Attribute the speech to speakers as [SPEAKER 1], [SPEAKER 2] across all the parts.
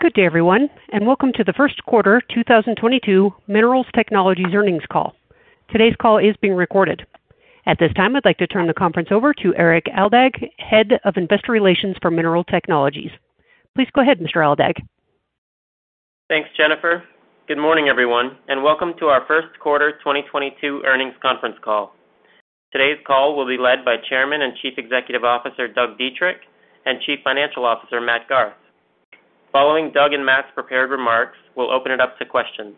[SPEAKER 1] Good day, everyone, and welcome to the first quarter 2022 Minerals Technologies earnings call. Today's call is being recorded. At this time, I'd like to turn the conference over to Erik Aldag, head of investor relations for Minerals Technologies. Please go ahead, Mr. Aldag.
[SPEAKER 2] Thanks, Jennifer. Good morning, everyone, and welcome to our first quarter 2022 earnings conference call. Today's call will be led by Chairman and Chief Executive Officer, Doug Dietrich, and Chief Financial Officer, Matt Garth. Following Doug and Matt's prepared remarks, we'll open it up to questions.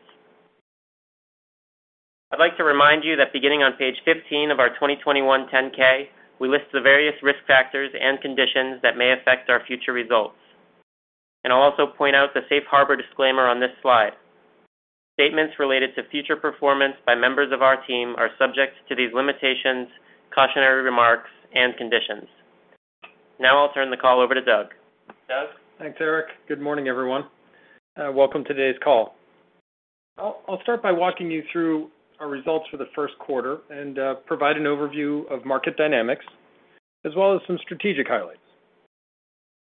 [SPEAKER 2] I'd like to remind you that beginning on page 15 of our 2021 10-K, we list the various risk factors and conditions that may affect our future results. I'll also point out the safe harbor disclaimer on this slide. Statements related to future performance by members of our team are subject to these limitations, cautionary remarks, and conditions. Now I'll turn the call over to Doug. Doug?
[SPEAKER 3] Thanks, Erik. Good morning, everyone. Welcome to today's call. I'll start by walking you through our results for the first quarter and provide an overview of market dynamics as well as some strategic highlights.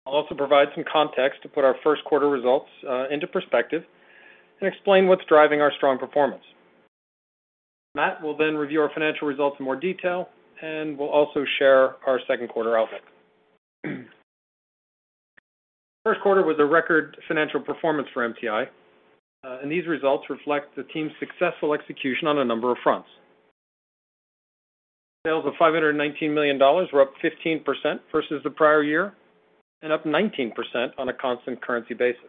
[SPEAKER 3] I'll also provide some context to put our first quarter results into perspective and explain what's driving our strong performance. Matt will then review our financial results in more detail, and we'll also share our second quarter outlook. First quarter was a record financial performance for MTI, and these results reflect the team's successful execution on a number of fronts. Sales of $519 million were up 15% versus the prior year, and up 19% on a constant currency basis.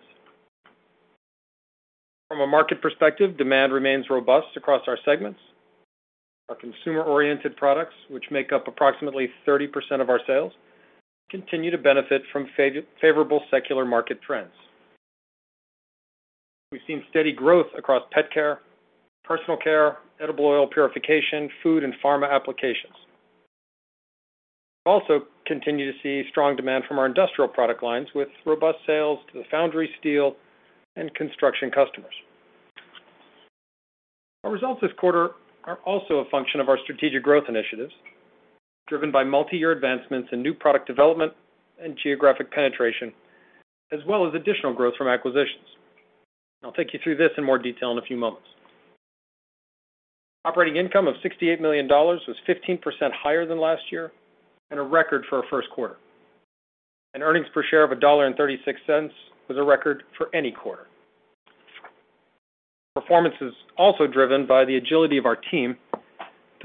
[SPEAKER 3] From a market perspective, demand remains robust across our segments. Our consumer-oriented products, which make up approximately 30% of our sales, continue to benefit from favorable secular market trends. We've seen steady growth across pet care, personal care, edible oil purification, food and pharma applications. We continue to see strong demand from our industrial product lines with robust sales to the foundry, steel and construction customers. Our results this quarter are also a function of our strategic growth initiatives, driven by multi-year advancements in new product development and geographic penetration, as well as additional growth from acquisitions. I'll take you through this in more detail in a few moments. Operating income of $68 million was 15% higher than last year and a record for our first quarter. Earnings per share of $1.36 was a record for any quarter. Performance is also driven by the agility of our team,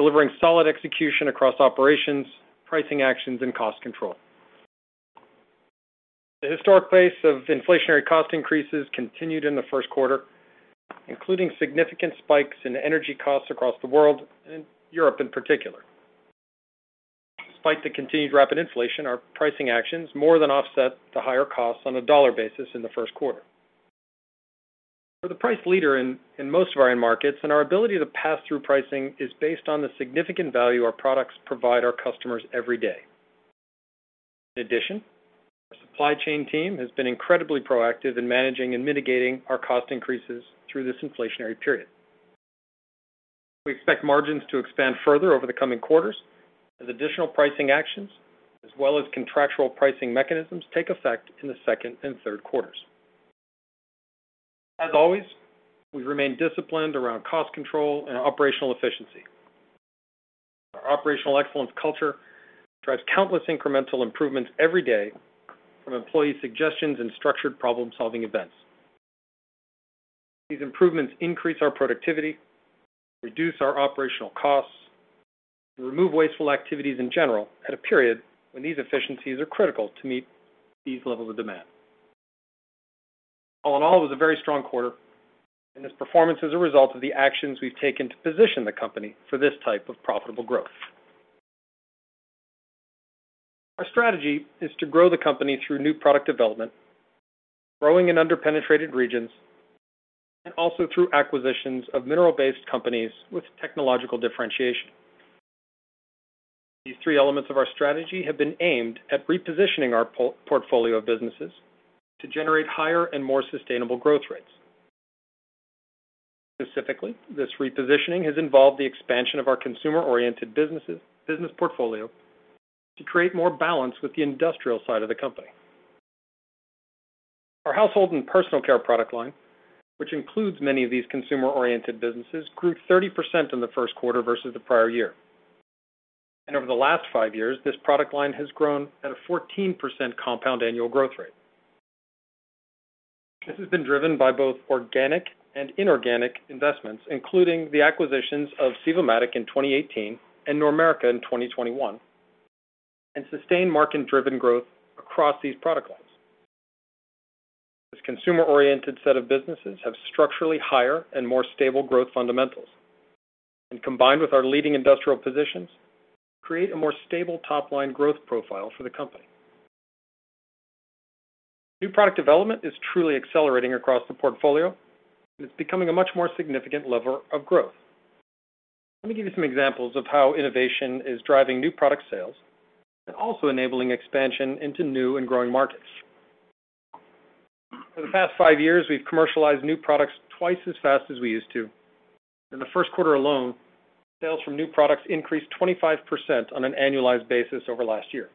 [SPEAKER 3] delivering solid execution across operations, pricing actions, and cost control. The historic pace of inflationary cost increases continued in the first quarter, including significant spikes in energy costs across the world, in Europe in particular. Despite the continued rapid inflation, our pricing actions more than offset the higher costs on a dollar basis in the first quarter. We're the price leader in most of our end markets, and our ability to pass through pricing is based on the significant value our products provide our customers every day. In addition, our supply chain team has been incredibly proactive in managing and mitigating our cost increases through this inflationary period. We expect margins to expand further over the coming quarters as additional pricing actions as well as contractual pricing mechanisms take effect in the second and third quarters. As always, we remain disciplined around cost control and operational efficiency. Our operational excellence culture drives countless incremental improvements every day from employee suggestions and structured problem-solving events. These improvements increase our productivity, reduce our operational costs, and remove wasteful activities in general at a period when these efficiencies are critical to meet these levels of demand. All in all, it was a very strong quarter, and this performance is a result of the actions we've taken to position the company for this type of profitable growth. Our strategy is to grow the company through new product development, growing in under-penetrated regions, and also through acquisitions of mineral-based companies with technological differentiation. These three elements of our strategy have been aimed at repositioning our portfolio of businesses to generate higher and more sustainable growth rates. Specifically, this repositioning has involved the expansion of our consumer-oriented business portfolio to create more balance with the industrial side of the company. Our household and personal care product line, which includes many of these consumer-oriented businesses, grew 30% in the first quarter versus the prior year. Over the last five years, this product line has grown at a 14% compound annual growth rate. This has been driven by both organic and inorganic investments, including the acquisitions of Sivomatic in 2018 and Normerica in 2021, and sustained market-driven growth across these product lines. This consumer-oriented set of businesses have structurally higher and more stable growth fundamentals, and combined with our leading industrial positions, create a more stable top-line growth profile for the company. New product development is truly accelerating across the portfolio. It's becoming a much more significant lever of growth. Let me give you some examples of how innovation is driving new product sales and also enabling expansion into new and growing markets. For the past 5 years, we've commercialized new products twice as fast as we used to. In the first quarter alone, sales from new products increased 25% on an annualized basis over last year.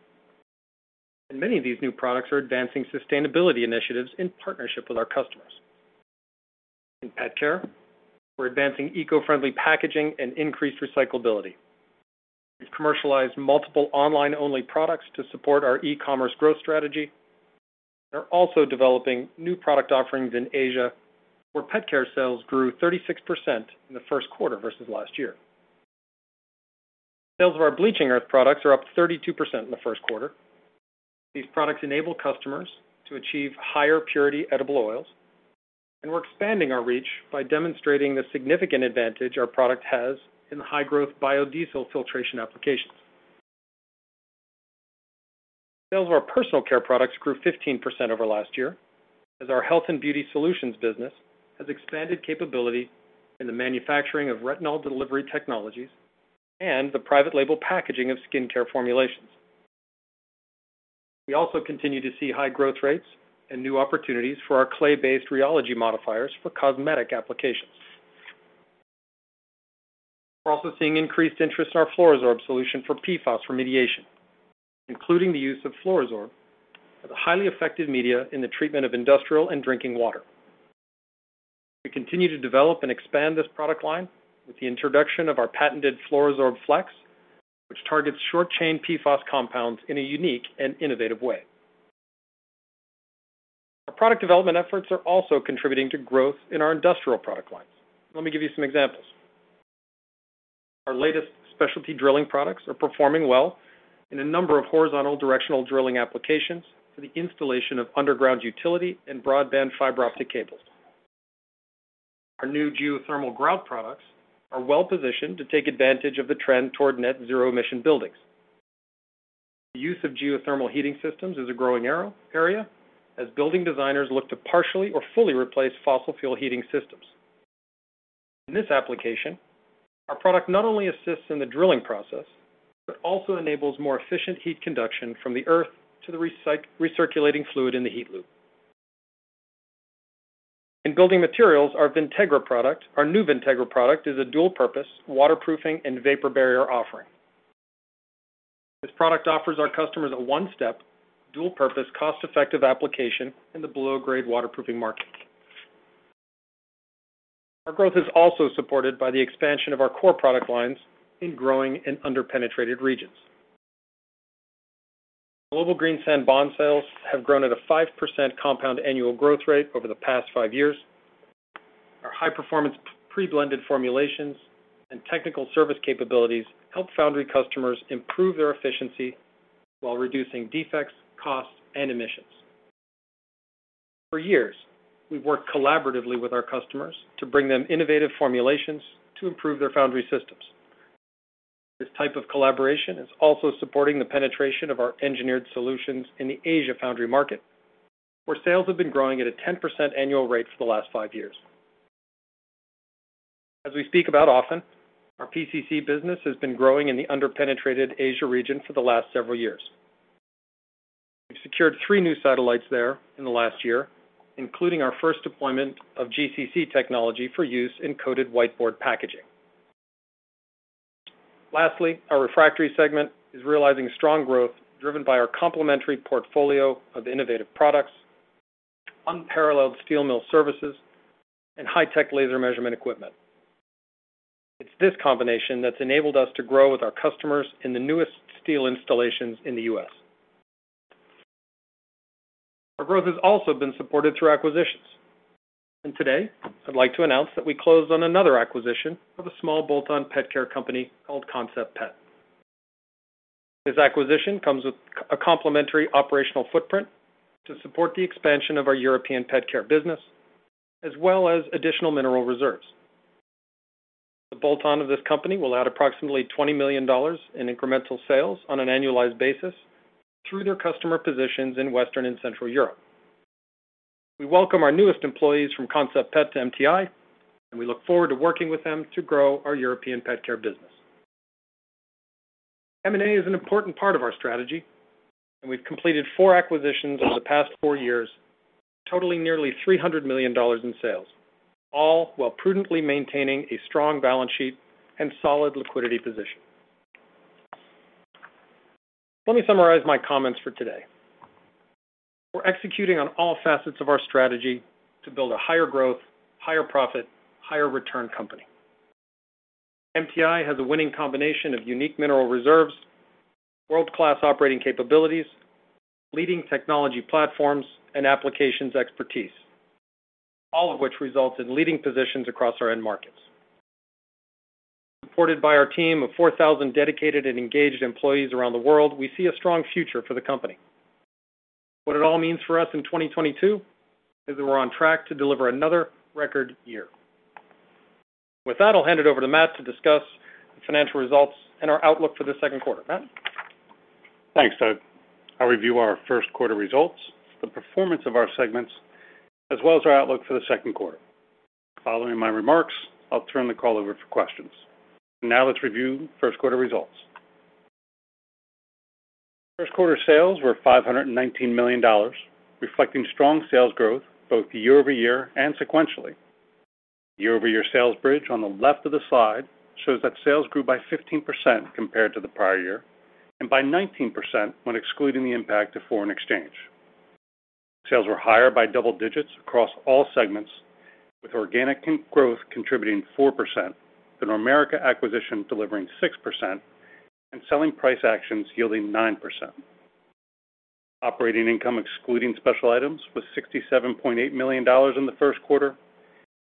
[SPEAKER 3] Many of these new products are advancing sustainability initiatives in partnership with our customers. In pet care, we're advancing eco-friendly packaging and increased recyclability. We've commercialized multiple online-only products to support our e-commerce growth strategy. We're also developing new product offerings in Asia, where pet care sales grew 36% in the first quarter versus last year. Sales of our bleaching earth products are up 32% in the first quarter. These products enable customers to achieve higher purity edible oils, and we're expanding our reach by demonstrating the significant advantage our product has in high-growth biodiesel filtration applications. Sales of our personal care products grew 15% over last year as our health and beauty solutions business has expanded capability in the manufacturing of retinol delivery technologies and the private label packaging of skincare formulations. We also continue to see high growth rates and new opportunities for our clay-based rheology modifiers for cosmetic applications. We're also seeing increased interest in our Fluoro-Sorb solution for PFAS remediation, including the use of Fluoro-Sorb for the highly effective media in the treatment of industrial and drinking water. We continue to develop and expand this product line with the introduction of our patented Fluoro-Sorb Flex, which targets short-chain PFAS compounds in a unique and innovative way. Our product development efforts are also contributing to growth in our industrial product lines. Let me give you some examples. Our latest specialty drilling products are performing well in a number of horizontal directional drilling applications for the installation of underground utility and broadband fiber optic cables. Our new geothermal grout products are well-positioned to take advantage of the trend toward net zero emission buildings. The use of geothermal heating systems is a growing area as building designers look to partially or fully replace fossil fuel heating systems. In this application, our product not only assists in the drilling process, but also enables more efficient heat conduction from the earth to the recirculating fluid in the heat loop. In building materials, our VOLTEX product, our new VOLTEX product, is a dual purpose waterproofing and vapor barrier offering. This product offers our customers a one-step, dual-purpose, cost-effective application in the below-grade waterproofing market. Our growth is also supported by the expansion of our core product lines in growing and under-penetrated regions. Global green sand bond sales have grown at a 5% compound annual growth rate over the past 5 years. Our high-performance pre-blended formulations and technical service capabilities help foundry customers improve their efficiency while reducing defects, costs, and emissions. For years, we've worked collaboratively with our customers to bring them innovative formulations to improve their foundry systems. This type of collaboration is also supporting the penetration of our engineered solutions in the Asia foundry market, where sales have been growing at a 10% annual rate for the last 5 years. As we speak about often, our PCC business has been growing in the under-penetrated Asia region for the last several years. We've secured three new satellites there in the last year, including our first deployment of GCC technology for use in coated whiteboard packaging. Lastly, our refractory segment is realizing strong growth driven by our complementary portfolio of innovative products, unparalleled steel mill services, and high-tech laser measurement equipment. It's this combination that's enabled us to grow with our customers in the newest steel installations in the U.S. Our growth has also been supported through acquisitions. Today, I'd like to announce that we closed on another acquisition of a small bolt-on pet care company called Concept Pet. This acquisition comes with a complementary operational footprint to support the expansion of our European pet care business, as well as additional mineral reserves. The bolt-on of this company will add approximately $20 million in incremental sales on an annualized basis through their customer positions in Western and Central Europe. We welcome our newest employees from Concept Pet to MTI, and we look forward to working with them to grow our European pet care business. M&A is an important part of our strategy, and we've completed four acquisitions over the past four years, totaling nearly $300 million in sales, all while prudently maintaining a strong balance sheet and solid liquidity position. Let me summarize my comments for today. We're executing on all facets of our strategy to build a higher growth, higher profit, higher return company. MTI has a winning combination of unique mineral reserves, world-class operating capabilities, leading technology platforms and applications expertise, all of which result in leading positions across our end markets. Supported by our team of 4,000 dedicated and engaged employees around the world, we see a strong future for the company. What it all means for us in 2022 is that we're on track to deliver another record year. With that, I'll hand it over to Matt to discuss the financial results and our outlook for the second quarter. Matt?
[SPEAKER 4] Thanks, Doug. I'll review our first quarter results, the performance of our segments, as well as our outlook for the second quarter. Following my remarks, I'll turn the call over for questions. Now let's review first quarter results. First quarter sales were $519 million, reflecting strong sales growth both year-over-year and sequentially. Year-over-year sales bridge on the left of the slide shows that sales grew by 15% compared to the prior year, and by 19% when excluding the impact of foreign exchange. Sales were higher by double digits across all segments, with organic growth contributing 4%, the Normerica acquisition delivering 6%, and selling price actions yielding 9%. Operating income excluding special items was $67.8 million in the first quarter,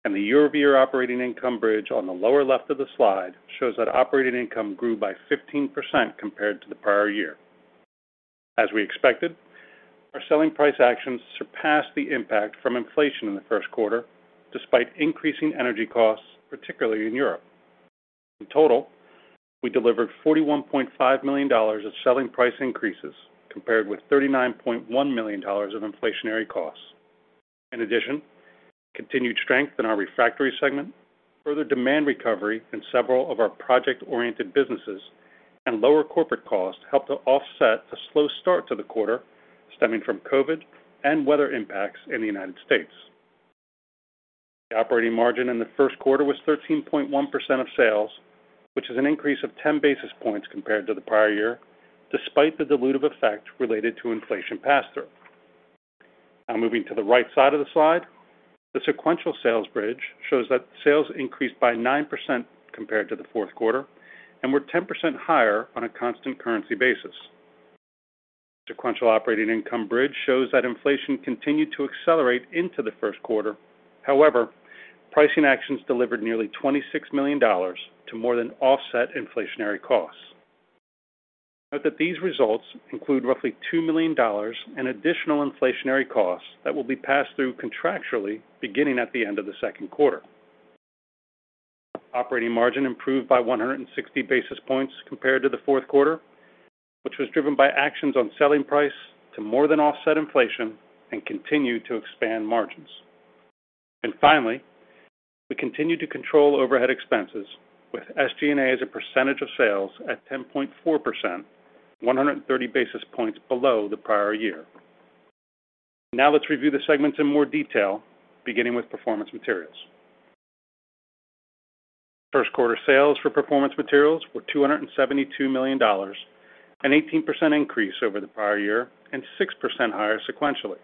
[SPEAKER 4] and the year-over-year operating income bridge on the lower left of the slide shows that operating income grew by 15% compared to the prior year. As we expected, our selling price actions surpassed the impact from inflation in the first quarter, despite increasing energy costs, particularly in Europe. In total, we delivered $41.5 million of selling price increases compared with $39.1 million of inflationary costs. In addition, continued strength in our refractory segment, further demand recovery in several of our project-oriented businesses, and lower corporate costs helped to offset a slow start to the quarter stemming from COVID and weather impacts in the United States. The operating margin in the first quarter was 13.1% of sales, which is an increase of 10 basis points compared to the prior year, despite the dilutive effect related to inflation pass-through. Now moving to the right side of the slide, the sequential sales bridge shows that sales increased by 9% compared to the fourth quarter and were 10% higher on a constant currency basis. Sequential operating income bridge shows that inflation continued to accelerate into the first quarter. However, pricing actions delivered nearly $26 million to more than offset inflationary costs. Note that these results include roughly $2 million in additional inflationary costs that will be passed through contractually beginning at the end of the second quarter. Operating margin improved by 160 basis points compared to the fourth quarter, which was driven by actions on selling price to more than offset inflation and continue to expand margins. Finally, we continued to control overhead expenses with SG&A as a percentage of sales at 10.4%, 130 basis points below the prior year. Now let's review the segments in more detail, beginning with performance materials. First quarter sales for performance materials were $272 million, an 18% increase over the prior year and 6% higher sequentially.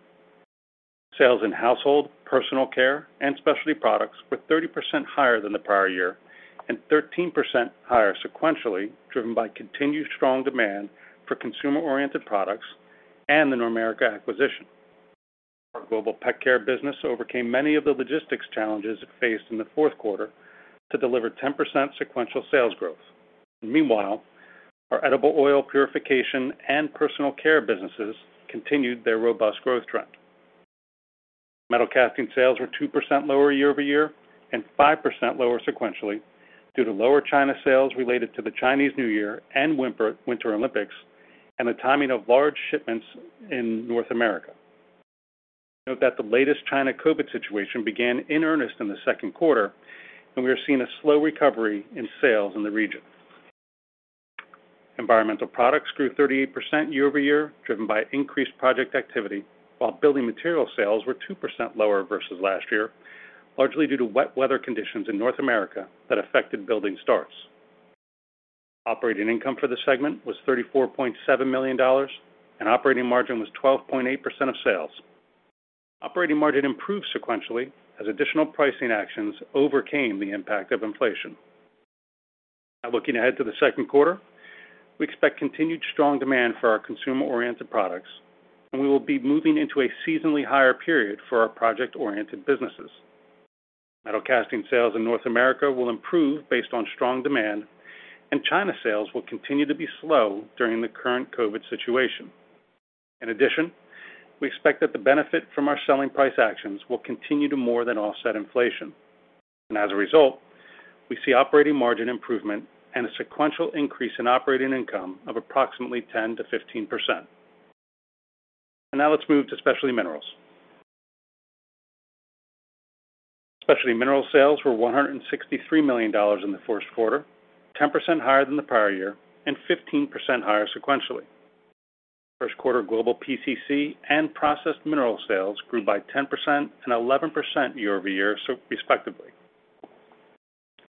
[SPEAKER 4] Sales in household, personal care, and specialty products were 30% higher than the prior year and 13% higher sequentially, driven by continued strong demand for consumer-oriented products and the Normerica acquisition. Our global pet care business overcame many of the logistics challenges it faced in the fourth quarter to deliver 10% sequential sales growth. Meanwhile, our edible oil purification and personal care businesses continued their robust growth trend. Metal casting sales were 2% lower year-over-year and 5% lower sequentially due to lower China sales related to the Chinese New Year and Winter Olympics and the timing of large shipments in North America. Note that the latest China COVID situation began in earnest in the second quarter, and we are seeing a slow recovery in sales in the region. Environmental products grew 38% year-over-year, driven by increased project activity, while building material sales were 2% lower versus last year, largely due to wet weather conditions in North America that affected building starts. Operating income for the segment was $34.7 million, and operating margin was 12.8% of sales. Operating margin improved sequentially as additional pricing actions overcame the impact of inflation. Now looking ahead to the second quarter, we expect continued strong demand for our consumer-oriented products, and we will be moving into a seasonally higher period for our project-oriented businesses. Metal casting sales in North America will improve based on strong demand, and China sales will continue to be slow during the current COVID situation. In addition, we expect that the benefit from our selling price actions will continue to more than offset inflation. As a result, we see operating margin improvement and a sequential increase in operating income of approximately 10%-15%. Now let's move to Specialty Minerals. Specialty minerals sales were $163 million in the first quarter, 10% higher than the prior year and 15% higher sequentially. First quarter global PCC and processed mineral sales grew by 10% and 11% year over year, so respectively.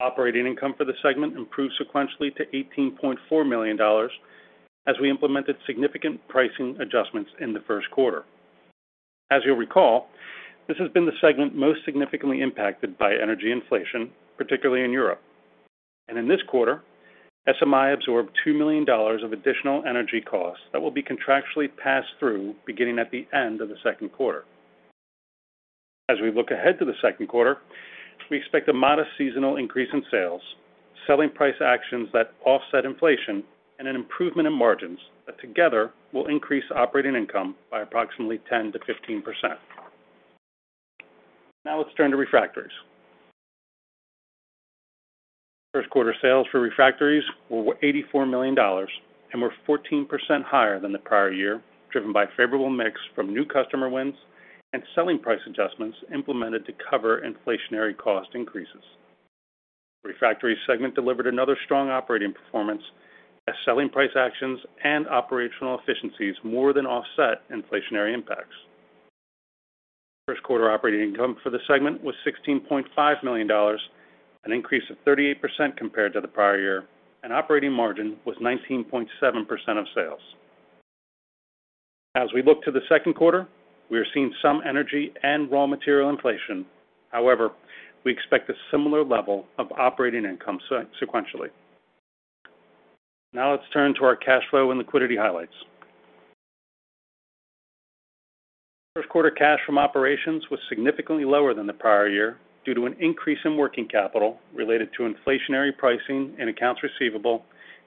[SPEAKER 4] Operating income for the segment improved sequentially to $18.4 million as we implemented significant pricing adjustments in the first quarter. As you'll recall, this has been the segment most significantly impacted by energy inflation, particularly in Europe. In this quarter, SMI absorbed $2 million of additional energy costs that will be contractually passed through beginning at the end of the second quarter. As we look ahead to the second quarter, we expect a modest seasonal increase in sales, selling price actions that offset inflation, and an improvement in margins that together will increase operating income by approximately 10%-15%. Now let's turn to Refractories. First quarter sales for Refractories were $84 million and were 14% higher than the prior year, driven by favorable mix from new customer wins and selling price adjustments implemented to cover inflationary cost increases. Refractory segment delivered another strong operating performance as selling price actions and operational efficiencies more than offset inflationary impacts. First quarter operating income for the segment was $16.5 million, an increase of 38% compared to the prior year, and operating margin was 19.7% of sales. As we look to the second quarter, we are seeing some energy and raw material inflation. However, we expect a similar level of operating income sequentially. Now let's turn to our cash flow and liquidity highlights. First quarter cash from operations was significantly lower than the prior year due to an increase in working capital related to inflationary pricing and accounts receivable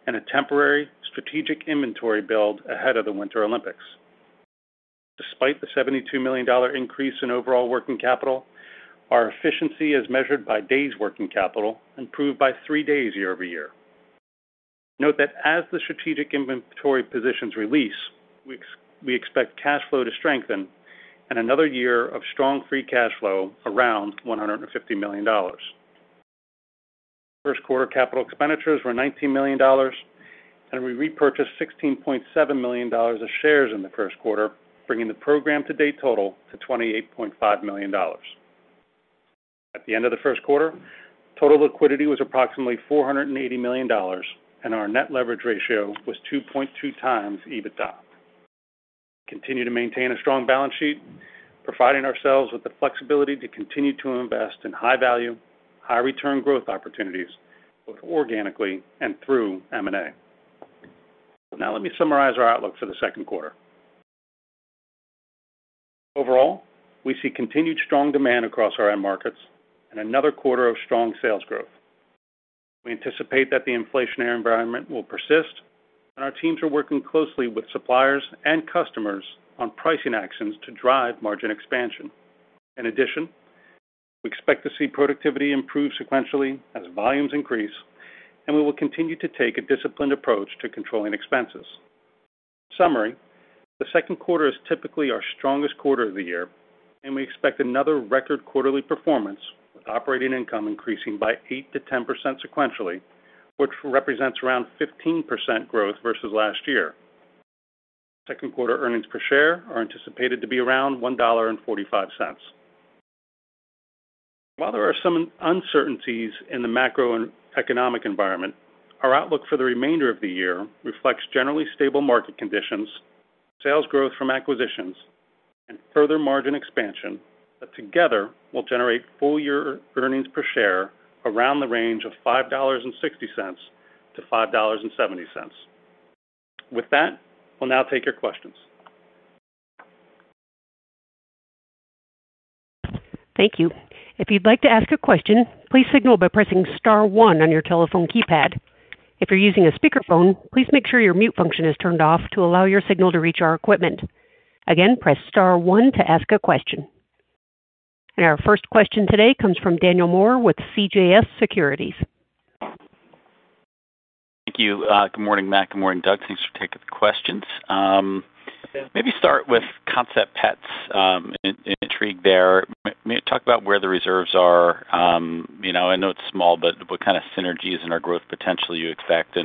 [SPEAKER 4] and a temporary strategic inventory build ahead of the Winter Olympics. Despite the $72 million increase in overall working capital, our efficiency as measured by days working capital improved by three days year-over-year. Note that as the strategic inventory positions release, we expect cash flow to strengthen and another year of strong free cash flow around $150 million. First quarter capital expenditures were $19 million, and we repurchased $16.7 million of shares in the first quarter, bringing the program to-date total to $28.5 million. At the end of the first quarter, total liquidity was approximately $480 million, and our net leverage ratio was 2.2x EBITDA. Continue to maintain a strong balance sheet, providing ourselves with the flexibility to continue to invest in high value, high return growth opportunities, both organically and through M&A. Now let me summarize our outlook for the second quarter. Overall, we see continued strong demand across our end markets and another quarter of strong sales growth. We anticipate that the inflationary environment will persist, and our teams are working closely with suppliers and customers on pricing actions to drive margin expansion. In addition, we expect to see productivity improve sequentially as volumes increase, and we will continue to take a disciplined approach to controlling expenses. summary, the second quarter is typically our strongest quarter of the year, and we expect another record quarterly performance with operating income increasing by 8%-10% sequentially, which represents around 15% growth versus last year. Second quarter earnings per share are anticipated to be around $1.45. While there are some uncertainties in the macroeconomic environment, our outlook for the remainder of the year reflects generally stable market conditions, sales growth from acquisitions, and further margin expansion that together will generate full year earnings per share around the range of $5.60-$5.70. With that, we'll now take your questions.
[SPEAKER 1] Thank you. If you'd like to ask a question, please signal by pressing star one on your telephone keypad. If you're using a speakerphone, please make sure your mute function is turned off to allow your signal to reach our equipment. Again, press star one to ask a question. Our first question today comes from Daniel Moore with CJS Securities.
[SPEAKER 5] Thank you. Good morning, Matt, good morning, Doug. Thanks for taking the questions. Maybe start with Concept Pet, intrigued there. Maybe talk about where the reserves are. You know, I know it's small, but what kind of synergies and our growth potential you expect?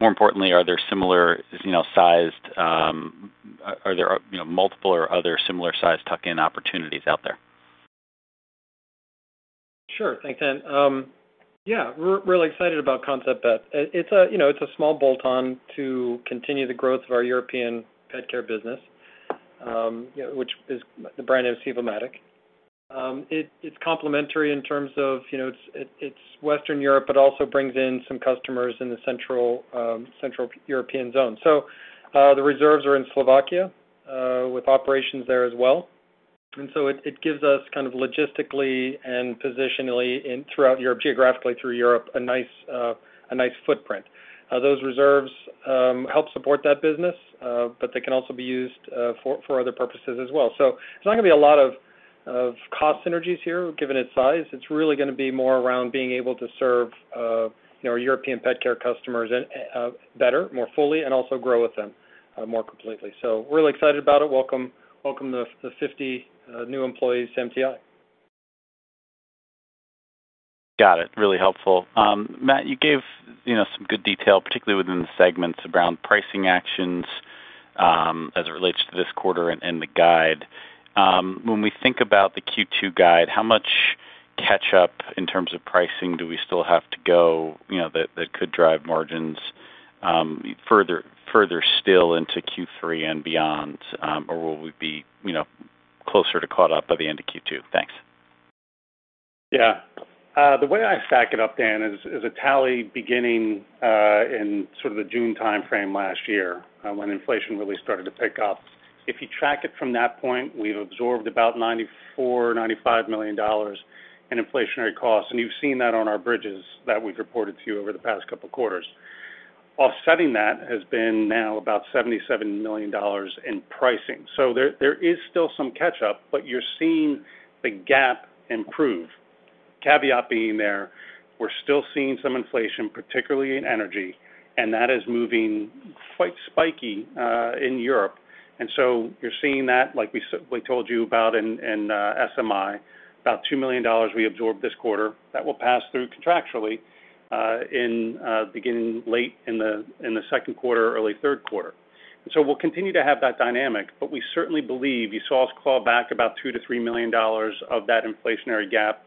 [SPEAKER 5] More importantly, are there similar, you know, sized, are there multiple or other similar sized tuck-in opportunities out there?
[SPEAKER 4] Sure. Thanks, Dan. Yeah, we're really excited about Concept Pet. It's a small bolt-on to continue the growth of our European pet care business, you know, which is the brand name Sivomatic. It's complementary in terms of, you know, it's Western Europe, but also brings in some customers in the Central European zone. The reserves are in Slovakia with operations there as well. It gives us kind of logistically and positionally throughout Europe, geographically through Europe, a nice footprint. Those reserves help support that business, but they can also be used for other purposes as well. There's not gonna be a lot of cost synergies here, given its size. It's really gonna be more around being able to serve, you know, our European pet care customers, better, more fully, and also grow with them, more completely. Really excited about it. Welcome the 50 new employees to MTI.
[SPEAKER 5] Got it. Really helpful. Matt, you gave, you know, some good detail, particularly within the segments around pricing actions, as it relates to this quarter and the guide. When we think about the Q2 guide, how much catch-up in terms of pricing do we still have to go, you know, that could drive margins further still into Q3 and beyond? Or will we be, you know, closer to caught up by the end of Q2? Thanks.
[SPEAKER 4] Yeah. The way I stack it up, Dan, is a tally beginning in sort of the June timeframe last year, when inflation really started to pick up. If you track it from that point, we've absorbed about $94 million-$95 million in inflationary costs, and you've seen that on our bridges that we've reported to you over the past couple quarters. Offsetting that has been now about $77 million in pricing. So there is still some catch up, but you're seeing the gap improve. Caveat being there, we're still seeing some inflation, particularly in energy, and that is moving.
[SPEAKER 3] Quite spiky in Europe. You're seeing that, like we told you about in SMI, about $2 million we absorbed this quarter. That will pass through contractually, beginning late in the second quarter, early third quarter. We'll continue to have that dynamic, but we certainly believe you saw us claw back about $2-$3 million of that inflationary gap.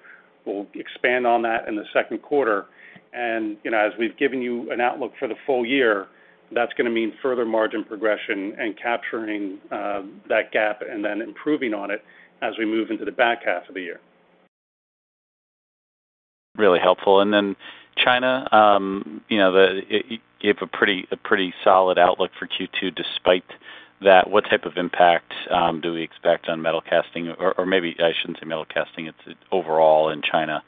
[SPEAKER 3] We'll expand on that in the second quarter. You know, as we've given you an outlook for the full year, that's gonna mean further margin progression and capturing that gap and then improving on it as we move into the back half of the year.
[SPEAKER 5] Really helpful. Then China, you know, you gave a pretty solid outlook for Q2. Despite that, what type of impact do we expect on metal casting? Or maybe I shouldn't say metal casting, it's overall in China,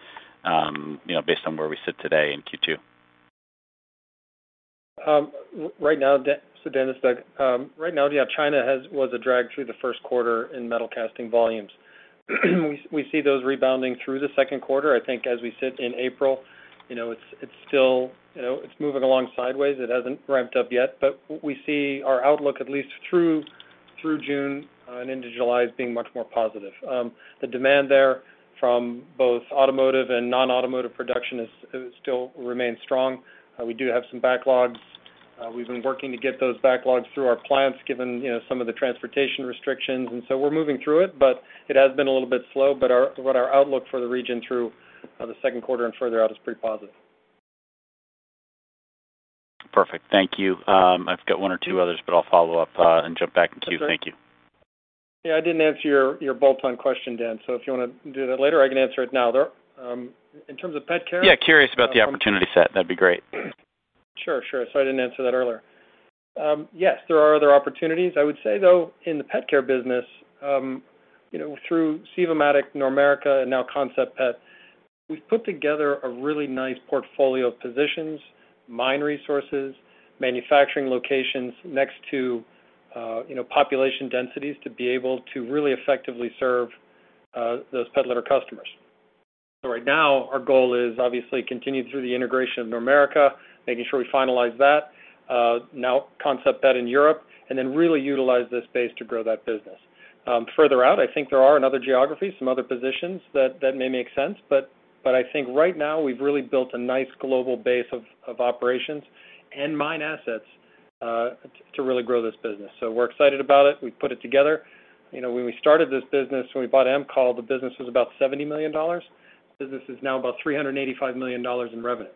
[SPEAKER 5] you know, based on where we sit today in Q2.
[SPEAKER 3] Right now, so Dan, it's Doug. Right now, yeah, China was a drag through the first quarter in metal casting volumes. We see those rebounding through the second quarter. I think as we sit in April, you know, it's still, you know, it's moving along sideways. It hasn't ramped up yet. We see our outlook at least through June and into July as being much more positive. The demand there from both automotive and non-automotive production still remains strong. We do have some backlogs. We've been working to get those backlogs through our plants, given, you know, some of the transportation restrictions, and so we're moving through it. It has been a little bit slow. Our outlook for the region through the second quarter and further out is pretty positive.
[SPEAKER 5] Perfect. Thank you. I've got one or two others, but I'll follow up and jump back in the queue. Thank you.
[SPEAKER 3] Yeah. I didn't answer your bolt-on question, Dan. If you wanna do that later, I can answer it now. In terms of pet care-
[SPEAKER 5] Yeah, curious about the opportunity set. That'd be great.
[SPEAKER 3] Sure. Sorry I didn't answer that earlier. Yes, there are other opportunities. I would say, though, in the pet care business, you know, through Sivomatic, Normerica, and now Concept Pet, we've put together a really nice portfolio of positions, mine resources, manufacturing locations next to, you know, population densities to be able to really effectively serve, those pet litter customers. Right now our goal is obviously continue through the integration of Normerica, making sure we finalize that, now Concept Pet in Europe, and then really utilize this space to grow that business. Further out, I think there are in other geographies, some other positions that may make sense, but I think right now we've really built a nice global base of operations and mine assets, to really grow this business. We're excited about it. We've put it together. You know, when we started this business, when we bought AMCOL, the business was about $70 million. The business is now about $385 million in revenue.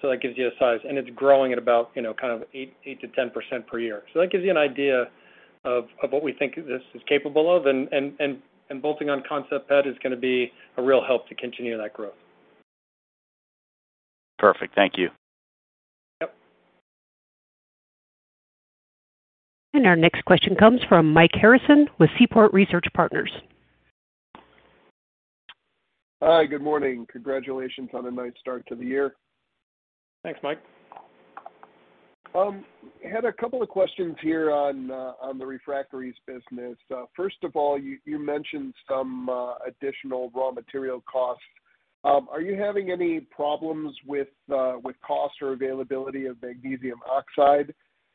[SPEAKER 3] So that gives you a size. It's growing at about, you know, kind of 8%-10% per year. So that gives you an idea of what we think this is capable of. Bolting on Concept is gonna be a real help to continue that growth.
[SPEAKER 5] Perfect. Thank you.
[SPEAKER 3] Yep.
[SPEAKER 1] Our next question comes from Mike Harrison with Seaport Research Partners.
[SPEAKER 6] Hi. Good morning. Congratulations on a nice start to the year.
[SPEAKER 3] Thanks, Mike.
[SPEAKER 6] Had a couple of questions here on the refractories business. First of all, you mentioned some additional raw material costs. Are you having any problems with cost or availability of magnesium oxide?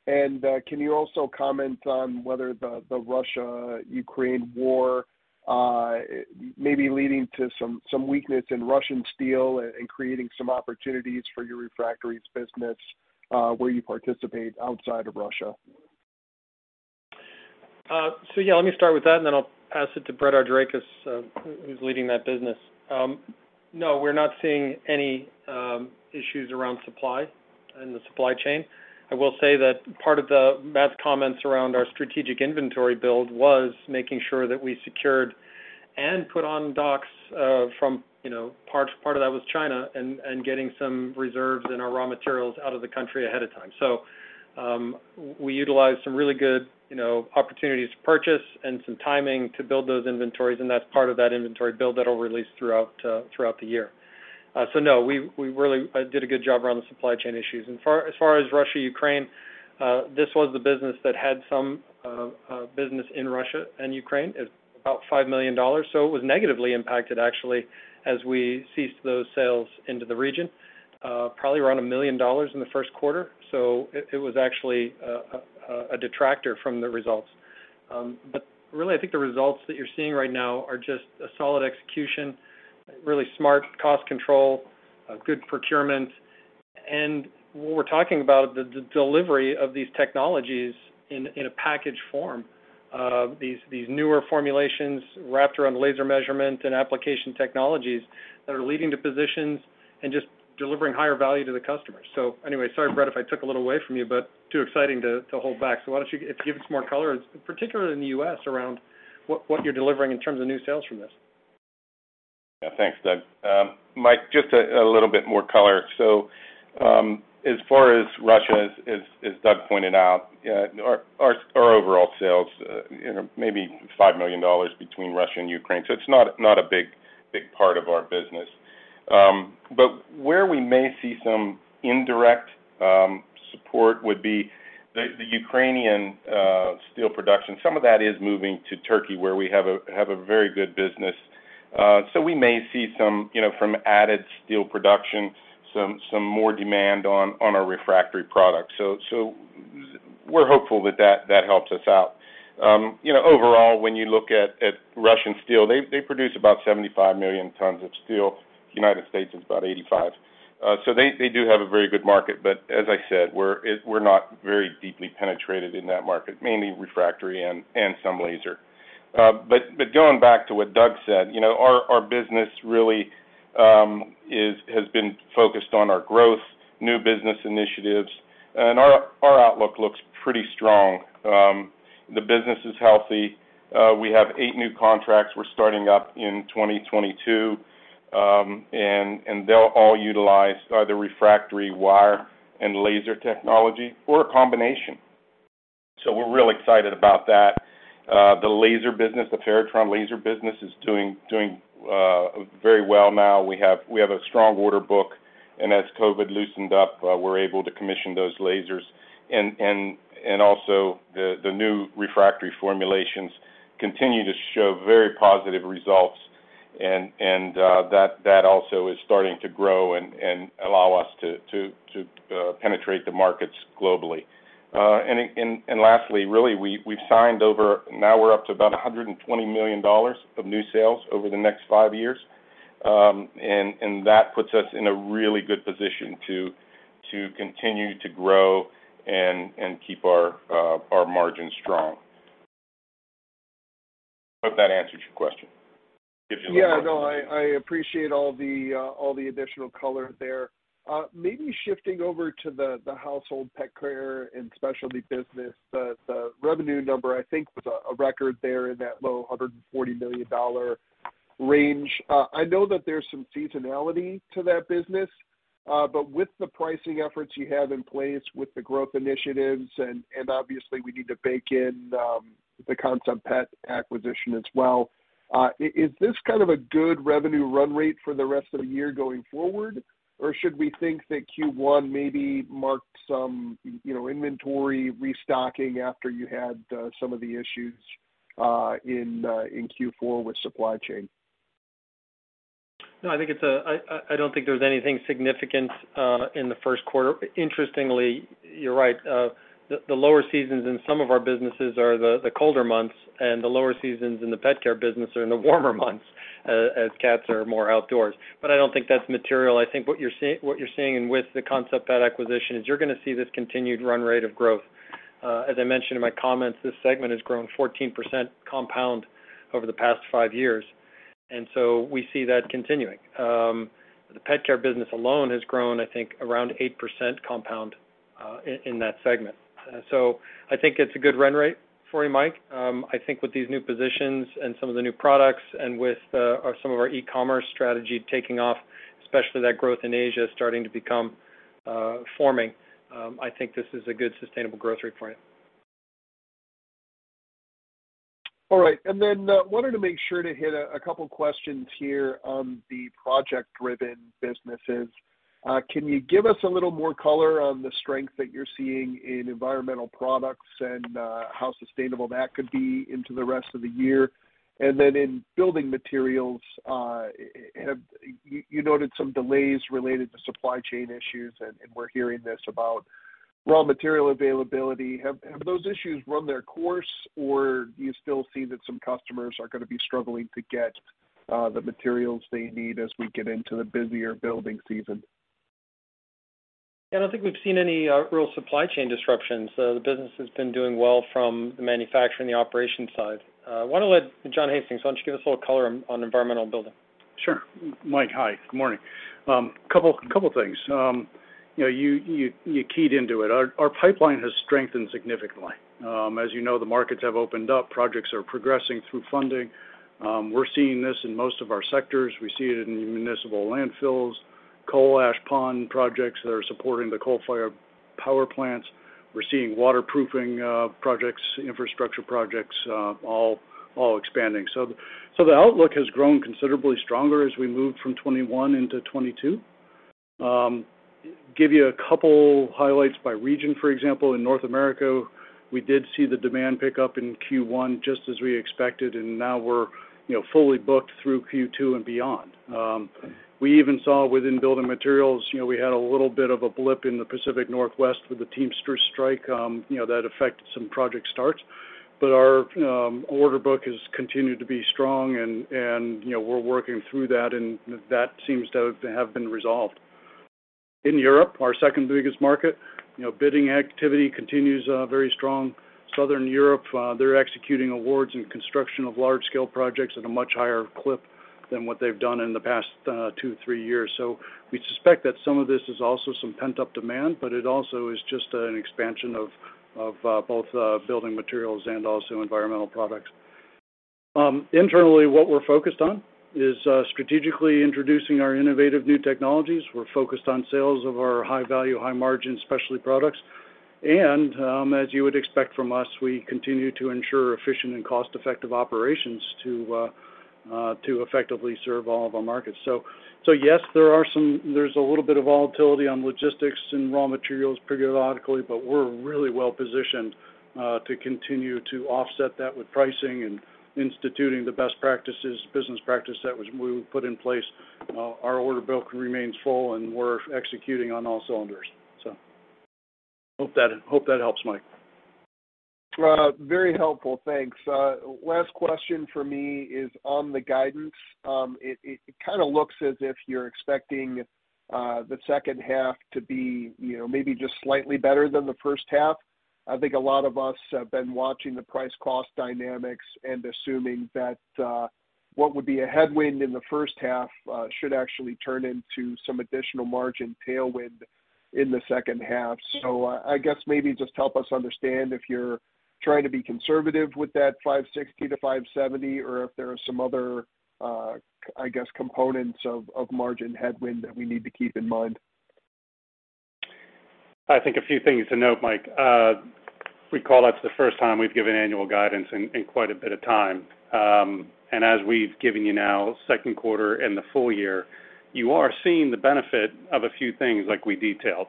[SPEAKER 6] Can you also comment on whether the Russia-Ukraine war may be leading to some weakness in Russian steel and creating some opportunities for your refractories business where you participate outside of Russia?
[SPEAKER 3] Yeah, let me start with that, and then I'll pass it to Brett Argirakis, who's leading that business. No, we're not seeing any issues around supply in the supply chain. I will say that part of Matt's comments around our strategic inventory build was making sure that we secured and put on docks from China, you know, part of that was getting some reserves in our raw materials out of the country ahead of time. We utilized some really good, you know, opportunities to purchase and some timing to build those inventories, and that's part of that inventory build that'll release throughout the year. No. We really did a good job around the supply chain issues. As far as Russia-Ukraine, this was the business that had some business in Russia and Ukraine. It's about $5 million. It was negatively impacted actually as we ceased those sales into the region, probably around $1 million in the first quarter. It was actually a detractor from the results. But really, I think the results that you're seeing right now are just a solid execution, really smart cost control, good procurement. When we're talking about the delivery of these technologies in a packaged form, these newer formulations wrapped around laser measurement and application technologies that are leading to positions and just delivering higher value to the customers. Anyway, sorry, Brett, if I took a little away from you, but too exciting to hold back.
[SPEAKER 7] Why don't you give us some more color, particularly in the U.S., around what you're delivering in terms of new sales from this? Yeah. Thanks, Doug. Mike, just a little bit more color. As far as Russia, as Doug pointed out, our overall sales, you know, maybe $5 million between Russia and Ukraine, so it's not a big part of our business. But where we may see some indirect support would be the Ukrainian steel production. Some of that is moving to Turkey, where we have a very good business We may see some, you know, from added steel production, some more demand on our refractory products. We're hopeful that that helps us out. You know, overall, when you look at Russian steel, they produce about 75 million tons of steel. United States is about 85. They do have a very good market, but as I said, we're not very deeply penetrated in that market, mainly refractory and some laser. Going back to what Doug said, you know, our business really has been focused on our growth, new business initiatives, and our outlook looks pretty strong. The business is healthy. We have 8 new contracts we're starting up in 2022. They'll all utilize either refractory wire and laser technology or a combination. We're real excited about that. The laser business, the Ferrotron laser business, is doing very well now. We have a strong order book, and as COVID loosened up, we're able to commission those lasers. Also, the new refractory formulations continue to show very positive results. That also is starting to grow and allow us to penetrate the markets globally. Now we're up to about $120 million of new sales over the next five years. That puts us in a really good position to continue to grow and keep our margins strong. Hope that answers your question. Gives you a little more-
[SPEAKER 6] Yeah, no, I appreciate all the additional color there. Maybe shifting over to the household pet care and specialty business. The revenue number I think was a record there in that low $140 million range. I know that there's some seasonality to that business, but with the pricing efforts you have in place with the growth initiatives, and obviously we need to bake in the Concept Pet acquisition as well, is this kind of a good revenue run rate for the rest of the year going forward? Or should we think that Q1 maybe marked some, you know, inventory restocking after you had some of the issues in Q4 with supply chain?
[SPEAKER 3] No, I think it's. I don't think there's anything significant in the first quarter. Interestingly, you're right, the lower seasons in some of our businesses are the colder months, and the lower seasons in the pet care business are in the warmer months, as cats are more outdoors. I don't think that's material. I think what you're seeing with the Concept Pet acquisition is you're gonna see this continued run rate of growth. As I mentioned in my comments, this segment has grown 14% compound over the past five years, and we see that continuing. The pet care business alone has grown, I think, around 8% compound in that segment. I think it's a good run rate for you, Mike. I think with these new positions and some of the new products and with some of our e-commerce strategy taking off, especially that growth in Asia starting to become forming. I think this is a good sustainable growth rate for you.
[SPEAKER 6] All right. Wanted to make sure to hit a couple questions here on the project-driven businesses. Can you give us a little more color on the strength that you're seeing in environmental products and how sustainable that could be into the rest of the year? In building materials, have you noted some delays related to supply chain issues, and we're hearing this about raw material availability. Have those issues run their course, or do you still see that some customers are gonna be struggling to get the materials they need as we get into the busier building season?
[SPEAKER 3] Yeah, I don't think we've seen any real supply chain disruptions. The business has been doing well from the manufacturing, the operations side. Why don't I let Jon Hastings give us a little color on Environmental & Building?
[SPEAKER 8] Sure. Mike, hi. Good morning. Couple things. You know, you keyed into it. Our pipeline has strengthened significantly. As you know, the markets have opened up. Projects are progressing through funding. We're seeing this in most of our sectors. We see it in municipal landfills, coal ash pond projects that are supporting the coal-fired power plants. We're seeing waterproofing projects, infrastructure projects, all expanding. The outlook has grown considerably stronger as we moved from 2021 into 2022. Give you a couple highlights by region. For example, in North America, we did see the demand pick up in Q1, just as we expected, and now we're, you know, fully booked through Q2 and beyond. We even saw within building materials, you know, we had a little bit of a blip in the Pacific Northwest with the Teamsters strike, you know, that affected some project starts. Our order book has continued to be strong and, you know, we're working through that, and that seems to have been resolved. In Europe, our second-biggest market, you know, bidding activity continues, very strong. Southern Europe, they're executing awards and construction of large-scale projects at a much higher clip than what they've done in the past, two, three years. We suspect that some of this is also some pent-up demand, but it also is just an expansion of both building materials and also environmental products. Internally, what we're focused on is, strategically introducing our innovative new technologies. We're focused on sales of our high-value, high-margin specialty products.
[SPEAKER 4] As you would expect from us, we continue to ensure efficient and cost-effective operations to effectively serve all of our markets. Yes, there is a little bit of volatility on logistics and raw materials periodically, but we're really well-positioned to continue to offset that with pricing and instituting the best practices, business practice we put in place. Our order book remains full, and we're executing on all cylinders. Hope that helps, Mike.
[SPEAKER 6] Very helpful. Thanks. Last question for me is on the guidance. It kinda looks as if you're expecting the second half to be, you know, maybe just slightly better than the first half. I think a lot of us have been watching the price cost dynamics and assuming that what would be a headwind in the first half should actually turn into some additional margin tailwind in the second half. I guess maybe just help us understand if you're trying to be conservative with that $560-$570 or if there are some other components of margin headwind that we need to keep in mind.
[SPEAKER 4] I think a few things to note, Mike. Recall that's the first time we've given annual guidance in quite a bit of time. As we've given you now second quarter and the full year, you are seeing the benefit of a few things like we detailed.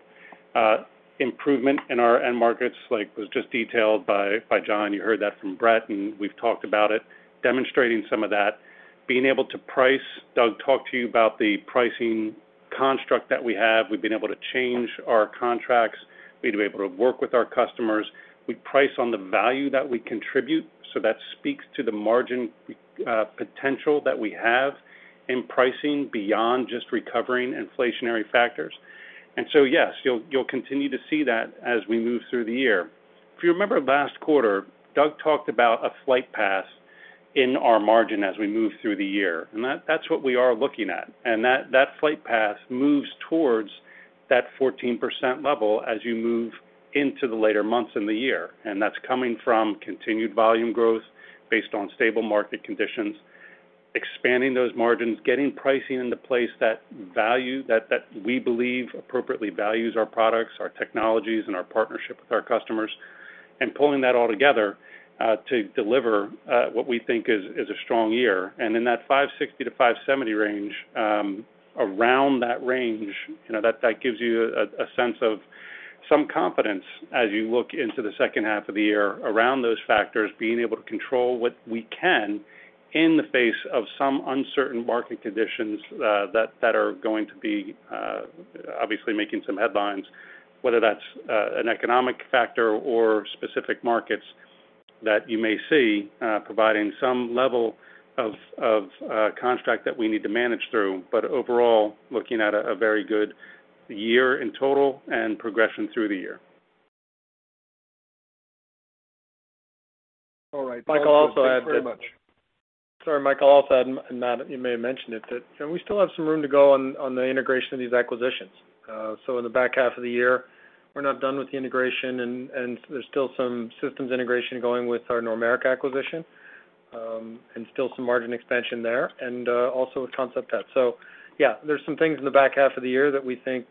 [SPEAKER 4] Improvement in our end markets, like was just detailed by Jon. You heard that from Brett, and we've talked about it, demonstrating some of that. Being able to price. Doug talked to you about the pricing construct that we have. We've been able to change our contracts. We've been able to work with our customers. We price on the value that we contribute, so that speaks to the margin potential that we have in pricing beyond just recovering inflationary factors. Yes, you'll continue to see that as we move through the year. If you remember last quarter, Doug talked about a flight path in our margin as we move through the year. That's what we are looking at. That flight path moves towards that 14% level as you move into the later months in the year, and that's coming from continued volume growth based on stable market conditions, expanding those margins, getting pricing into place that we believe appropriately values our products, our technologies, and our partnership with our customers, and pulling that all together to deliver what we think is a strong year. In that 560-570 range, around that range, you know, that gives you a sense of some confidence as you look into the second half of the year around those factors, being able to control what we can in the face of some uncertain market conditions, that are going to be obviously making some headlines, whether that's an economic factor or specific markets that you may see providing some level of construct that we need to manage through. But overall, looking at a very good year in total and progression through the year.
[SPEAKER 6] All right.
[SPEAKER 3] Mike, I'll also add that.
[SPEAKER 6] Thanks very much.
[SPEAKER 3] Sorry, Mike, I'll also add, Matt, you may have mentioned it, that, you know, we still have some room to go on the integration of these acquisitions. In the back half of the year, we're not done with the integration and there's still some systems integration going with our Normerica acquisition, and still some margin expansion there, and also with Concept Pet. Yeah, there's some things in the back half of the year that we think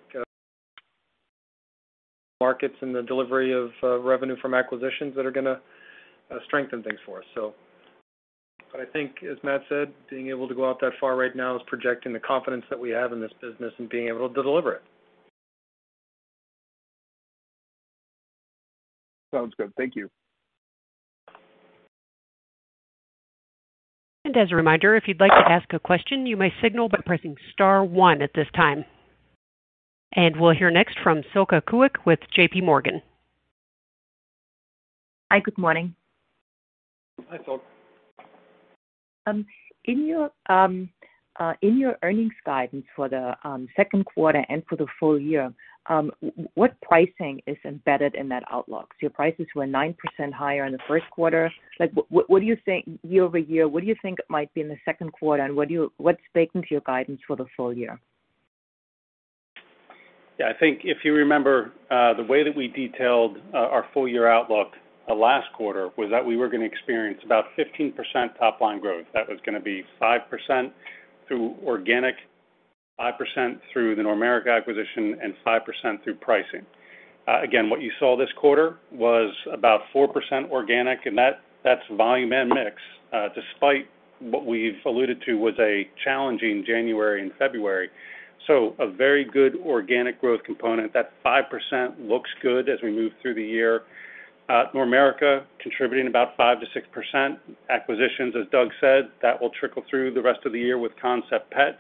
[SPEAKER 3] markets and the delivery of revenue from acquisitions that are gonna strengthen things for us so. I think, as Matt said, being able to go out that far right now is projecting the confidence that we have in this business and being able to deliver it.
[SPEAKER 6] Sounds good. Thank you.
[SPEAKER 1] As a reminder, if you'd like to ask a question, you may signal by pressing star one at this time. We'll hear next from Silke Kueck with J.P. Morgan.
[SPEAKER 9] Hi, good morning.
[SPEAKER 4] Hi, Silke.
[SPEAKER 9] In your earnings guidance for the second quarter and for the full year, what pricing is embedded in that outlook? So your prices were 9% higher in the first quarter. Like, what do you think year-over-year? What do you think might be in the second quarter, and what's baked into your guidance for the full year?
[SPEAKER 4] Yeah. I think if you remember, the way that we detailed, our full year outlook, last quarter was that we were gonna experience about 15% top-line growth. That was gonna be 5% through organic, 5% through the Normerica acquisition, and 5% through pricing. Again, what you saw this quarter was about 4% organic, and that's volume and mix, despite what we've alluded to was a challenging January and February. A very good organic growth component. That 5% looks good as we move through the year. Normerica contributing about 5%-6%. Acquisitions, as Doug said, that will trickle through the rest of the year with Concept Pet.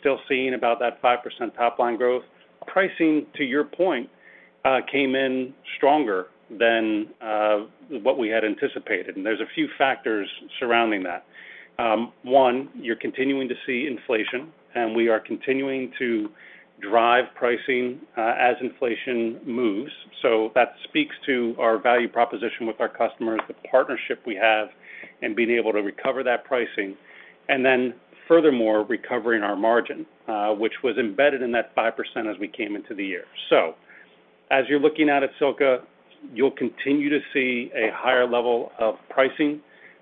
[SPEAKER 4] Still seeing about that 5% top line growth. Pricing, to your point, came in stronger than what we had anticipated, and there's a few factors surrounding that. One, you're continuing to see inflation, and we are continuing to drive pricing as inflation moves. That speaks to our value proposition with our customers, the partnership we have, and being able to recover that pricing. Furthermore, recovering our margin, which was embedded in that 5% as we came into the year. As you're looking at it, Silke.
[SPEAKER 3] You'll continue to see a higher level of pricing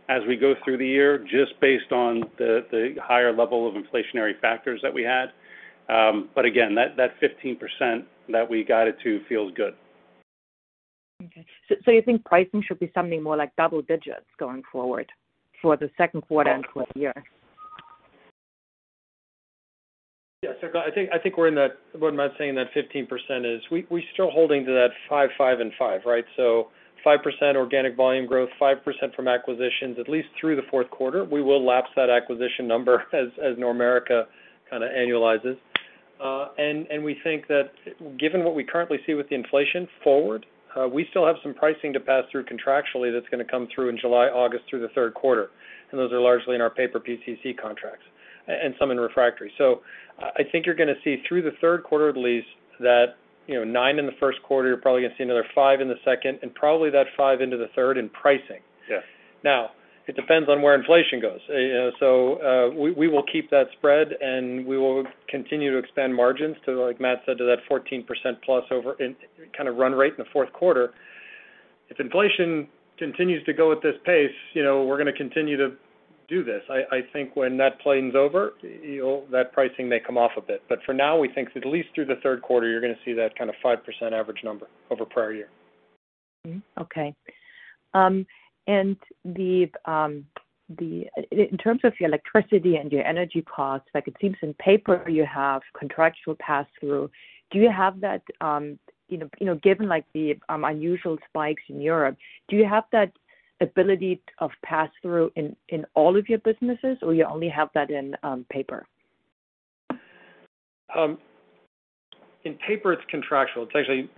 [SPEAKER 3] as we go through the year just based on the higher level of inflationary factors that we had. Again, that 15% that we got it to feels good.
[SPEAKER 9] You think pricing should be something more like double digits going forward for the second quarter and for the year?
[SPEAKER 3] Yes, Silke, I think we're in that. What Matt's saying, that 15% is we're still holding to that 5, and 5, right? Five percent organic volume growth, five percent from acquisitions, at least through the fourth quarter. We will lapse that acquisition number as Normerica kind of annualizes. And we think that given what we currently see with the inflation going forward, we still have some pricing to pass through contractually that's gonna come through in July, August through the third quarter. Those are largely in our paper PCC contracts and some in refractory. I think you're gonna see through the third quarter at least that, you know, 9% in the first quarter, you're probably gonna see another 5% in the second, and probably that 5% into the third in pricing.
[SPEAKER 4] Yes.
[SPEAKER 3] Now, it depends on where inflation goes. You know, we will keep that spread, and we will continue to expand margins to, like Matt said, to that 14%+ over in kind of run rate in the fourth quarter. If inflation continues to go at this pace, you know, we're gonna continue to do this. I think when that pain's over, you know, that pricing may come off a bit. For now, we think at least through the third quarter, you're gonna see that kind of 5% average number over prior year.
[SPEAKER 9] Mm-hmm. Okay. In terms of your electricity and your energy costs, like it seems in paper you have contractual passthrough. Do you have that, you know, given like the unusual spikes in Europe, do you have that ability of passthrough in all of your businesses, or you only have that in paper?
[SPEAKER 3] In paper it's contractual. It's actually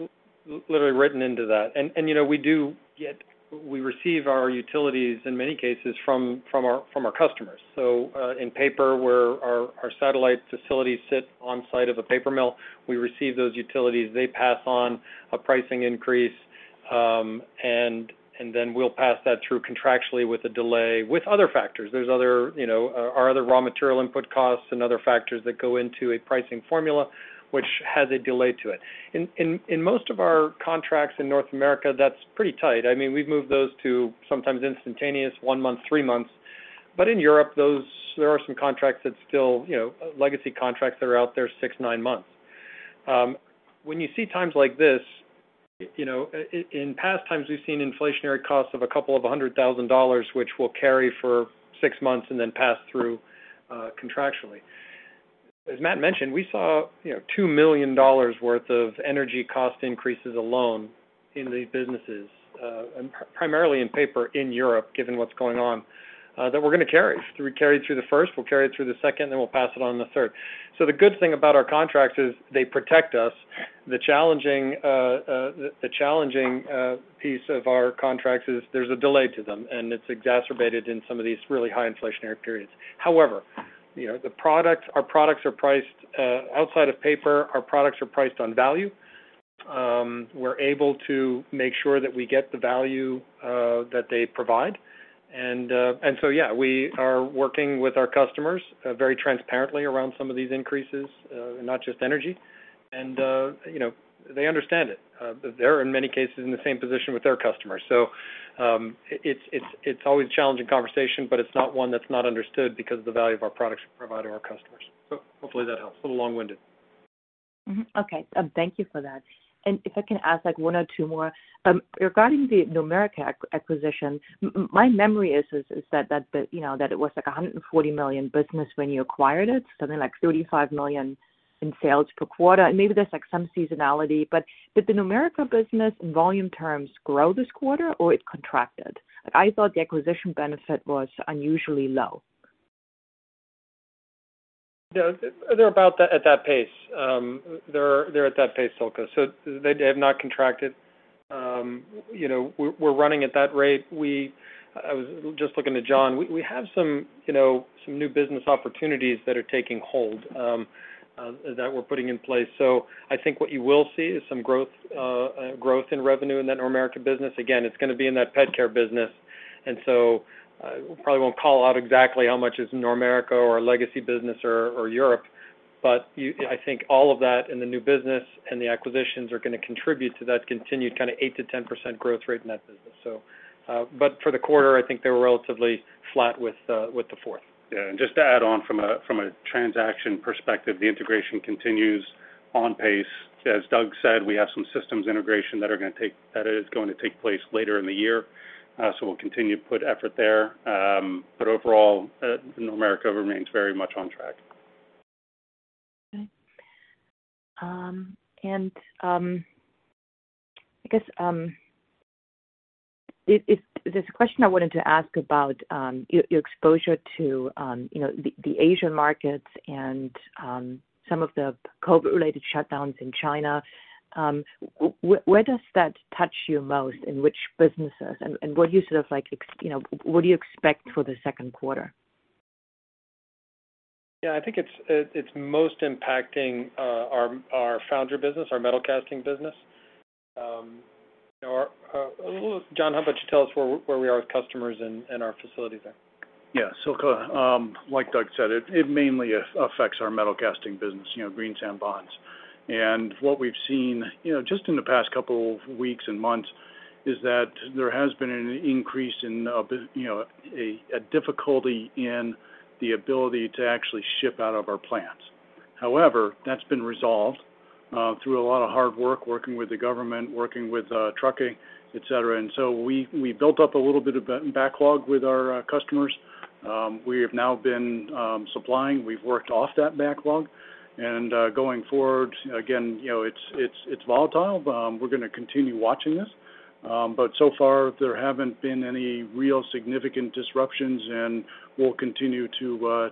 [SPEAKER 3] literally written into that. You know, we receive our utilities in many cases from our customers. In paper, where our satellite facilities sit on site of a paper mill, we receive those utilities, they pass on a pricing increase, and then we'll pass that through contractually with a delay with other factors. There are other, you know, our other raw material input costs and other factors that go into a pricing formula, which has a delay to it. In most of our contracts in North America, that's pretty tight. I mean, we've moved those to sometimes instantaneous one month, three months. In Europe, there are some contracts that still, you know, legacy contracts that are out there six, nine months. When you see times like this, you know, in past times we've seen inflationary costs of a couple of hundred thousand dollars, which we'll carry for six months and then pass through contractually. As Matt mentioned, we saw, you know, $2 million worth of energy cost increases alone in these businesses, and primarily in paper in Europe, given what's going on, that we're gonna carry. We carry it through the first, we'll carry it through the second, then we'll pass it on the third. The good thing about our contracts is they protect us. The challenging piece of our contracts is there's a delay to them, and it's exacerbated in some of these really high inflationary periods. However, you know, the products. Our products are priced outside of paper, our products are priced on value. We're able to make sure that we get the value that they provide. We are working with our customers very transparently around some of these increases, not just energy. You know, they understand it. They're in many cases in the same position with their customers. It's always a challenging conversation, but it's not one that's not understood because of the value of our products we provide to our customers. Hopefully that helps. A little long-winded.
[SPEAKER 9] Okay. Thank you for that. If I can ask like one or two more. Regarding the Normerica acquisition, my memory is that, you know, that it was like a $140 million business when you acquired it, something like $35 million in sales per quarter. Maybe there's like some seasonality, but did the Normerica business in volume terms grow this quarter or it contracted? I thought the acquisition benefit was unusually low.
[SPEAKER 3] Yeah. They're about at that pace. They're at that pace, Silke. They have not contracted. You know, we're running at that rate. I was just looking to Jon. We have some, you know, some new business opportunities that are taking hold that we're putting in place. I think what you will see is some growth in revenue in that Normerica business. Again, it's gonna be in that pet care business. Probably won't call out exactly how much is Normerica or legacy business or Europe, but I think all of that in the new business and the acquisitions are gonna contribute to that continued kind of 8%-10% growth rate in that business. But for the quarter, I think they were relatively flat with the fourth.
[SPEAKER 4] Yeah. Just to add on from a transaction perspective, the integration continues on pace. As Doug said, we have some systems integration that is going to take place later in the year. We'll continue to put effort there. Overall, Normerica remains very much on track.
[SPEAKER 9] Okay. I guess there's a question I wanted to ask about your exposure to, you know, the Asian markets and some of the COVID-related shutdowns in China. Where does that touch you most, in which businesses, and you know, what do you expect for the second quarter?
[SPEAKER 3] Yeah. I think it's most impacting our foundry business, our metal casting business. You know, Jon, how about you tell us where we are with customers and our facilities there? Yeah, Silke, like Doug said, it mainly affects our metal casting business, you know, green sand bonds. What we've seen, you know, just in the past couple of weeks and months is that there has been an increase in you know, a difficulty in the ability to actually ship out of our plants. However, that's been resolved through a lot of hard work, working with the government, working with trucking, etc. We built up a little bit of backlog with our customers. We have now been supplying. We've worked off that backlog. Going forward, again, you know, it's volatile, but we're gonna continue watching this. But so far, there haven't been any real significant disruptions, and we'll continue to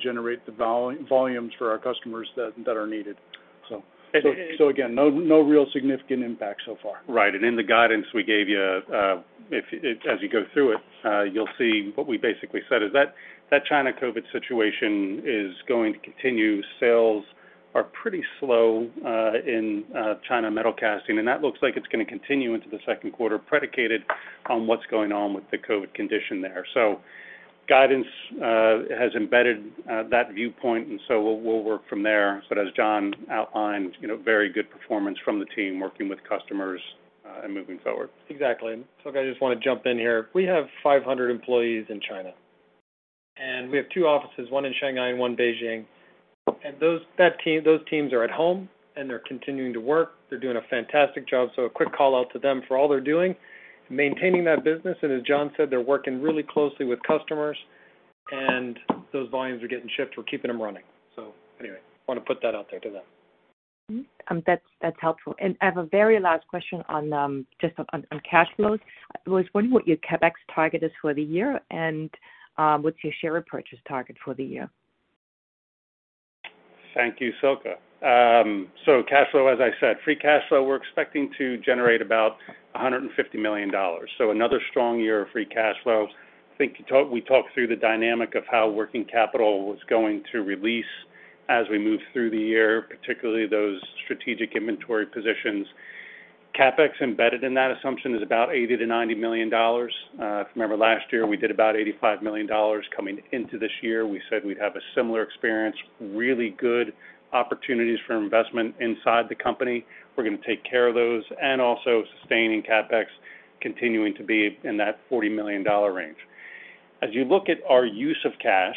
[SPEAKER 3] generate the volumes for our customers that are needed.
[SPEAKER 4] And-
[SPEAKER 3] Again, no real significant impact so far.
[SPEAKER 4] Right. In the guidance we gave you, as you go through it, you'll see what we basically said is that China COVID situation is going to continue. Sales are pretty slow in China metal casting, and that looks like it's gonna continue into the second quarter, predicated on what's going on with the COVID condition there. Guidance has embedded that viewpoint and so we'll work from there. As Jon outlined, you know, very good performance from the team working with customers and moving forward.
[SPEAKER 3] Exactly. Silke, I just wanna jump in here. We have 500 employees in China, and we have two offices, one in Shanghai and one in Beijing. Those teams are at home, and they're continuing to work. They're doing a fantastic job. A quick call out to them for all they're doing maintaining that business. As Jon said, they're working really closely with customers, and those volumes are getting shipped. We're keeping them running. Anyway, wanna put that out there to them.
[SPEAKER 9] Mm-hmm. That's helpful. I have a very last question on just cash flows. I was wondering what your CapEx target is for the year and what's your share purchase target for the year?
[SPEAKER 4] Thank you, Silke. Cash flow, as I said, free cash flow, we're expecting to generate about $150 million. Another strong year of free cash flow. I think you talked through the dynamic of how working capital was going to release as we move through the year, particularly those strategic inventory positions. CapEx embedded in that assumption is about $80-$90 million. If you remember last year, we did about $85 million. Coming into this year, we said we'd have a similar experience, really good opportunities for investment inside the company. We're gonna take care of those and also sustaining CapEx continuing to be in that $40 million range. As you look at our use of cash,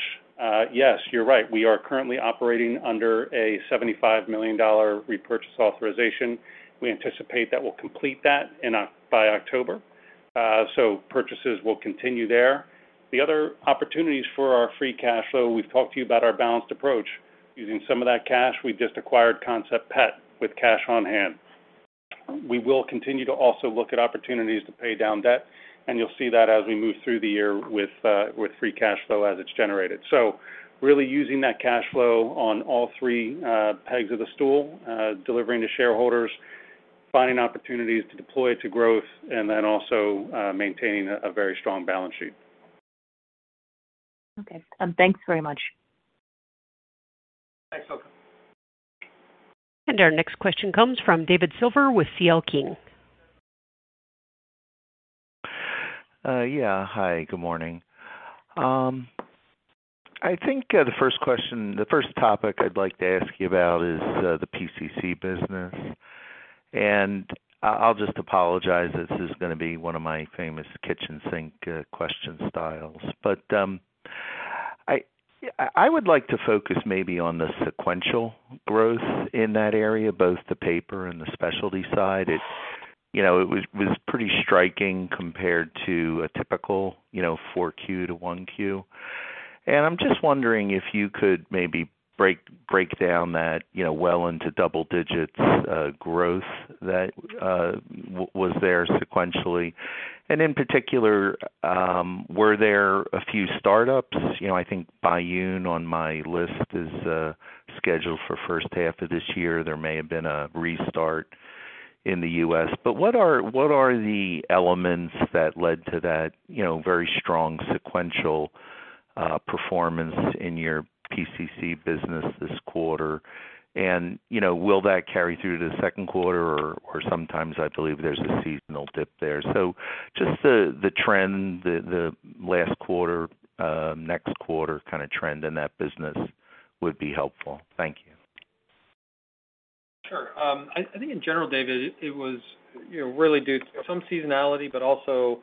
[SPEAKER 4] yes, you're right, we are currently operating under a $75 million repurchase authorization. We anticipate that we'll complete that in October. Purchases will continue there. The other opportunities for our free cash flow, we've talked to you about our balanced approach. Using some of that cash, we just acquired Concept Pet with cash on hand. We will continue to also look at opportunities to pay down debt, and you'll see that as we move through the year with free cash flow as it's generated. Really using that cash flow on all three pegs of the stool, delivering to shareholders, finding opportunities to deploy it to growth, and then also maintaining a very strong balance sheet.
[SPEAKER 9] Okay. Thanks very much.
[SPEAKER 4] Thanks, Silke.
[SPEAKER 1] Our next question comes from David Silver with C.L. King.
[SPEAKER 10] Yeah. Hi, good morning. I think the first topic I'd like to ask you about is the PCC business. I'll just apologize, this is gonna be one of my famous kitchen sink question styles. I would like to focus maybe on the sequential growth in that area, both the paper and the specialty side. It's, you know, it was pretty striking compared to a typical, you know, four Q to one Q. I'm just wondering if you could maybe break down that, you know, well into double digits growth that was there sequentially. In particular, were there a few startups? You know, I think Baiyun on my list is scheduled for first half of this year. There may have been a restart in the U.S. What are the elements that led to that, you know, very strong sequential performance in your PCC business this quarter? You know, will that carry through to the second quarter or sometimes I believe there's a seasonal dip there. Just the trend, the last quarter, next quarter kind of trend in that business would be helpful. Thank you.
[SPEAKER 3] Sure. I think in general, David, it was, you know, really due to some seasonality, but also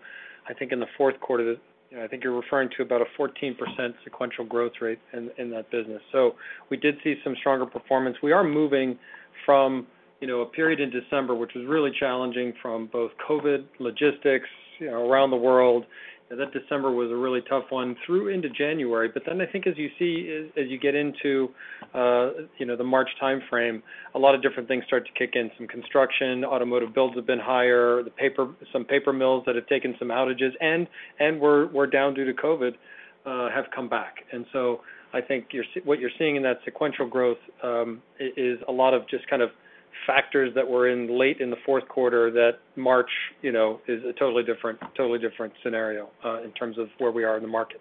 [SPEAKER 3] I think in the fourth quarter, the. You know, I think you're referring to about a 14% sequential growth rate in that business. So we did see some stronger performance. We are moving from, you know, a period in December, which was really challenging from both COVID, logistics, you know, around the world, and that December was a really tough one through into January. I think as you see, as you get into, you know, the March timeframe, a lot of different things start to kick in. Some construction, automotive builds have been higher. The paper, some paper mills that have taken some outages and were down due to COVID have come back. I think what you're seeing in that sequential growth is a lot of just kind of factors that were in play late in the fourth quarter than March, you know, is a totally different scenario in terms of where we are in the market.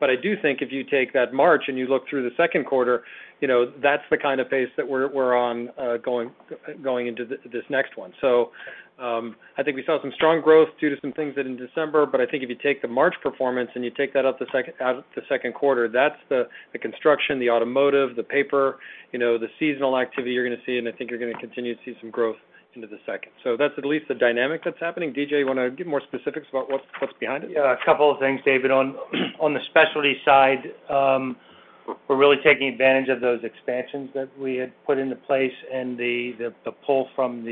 [SPEAKER 3] I do think if you take that March and you look through the second quarter, you know, that's the kind of pace that we're on, going into this next one. I think we saw some strong growth due to some things that in December, but I think if you take the March performance and you take that out the second quarter, that's the construction, the automotive, the paper, you know, the seasonal activity you're gonna see, and I think you're gonna continue to see some growth into the second. That's at least the dynamic that's happening. DJ, you wanna give more specifics about what's behind it?
[SPEAKER 11] Yeah, a couple of things, David. On the specialty side, we're really taking advantage of those expansions that we had put into place and the pull from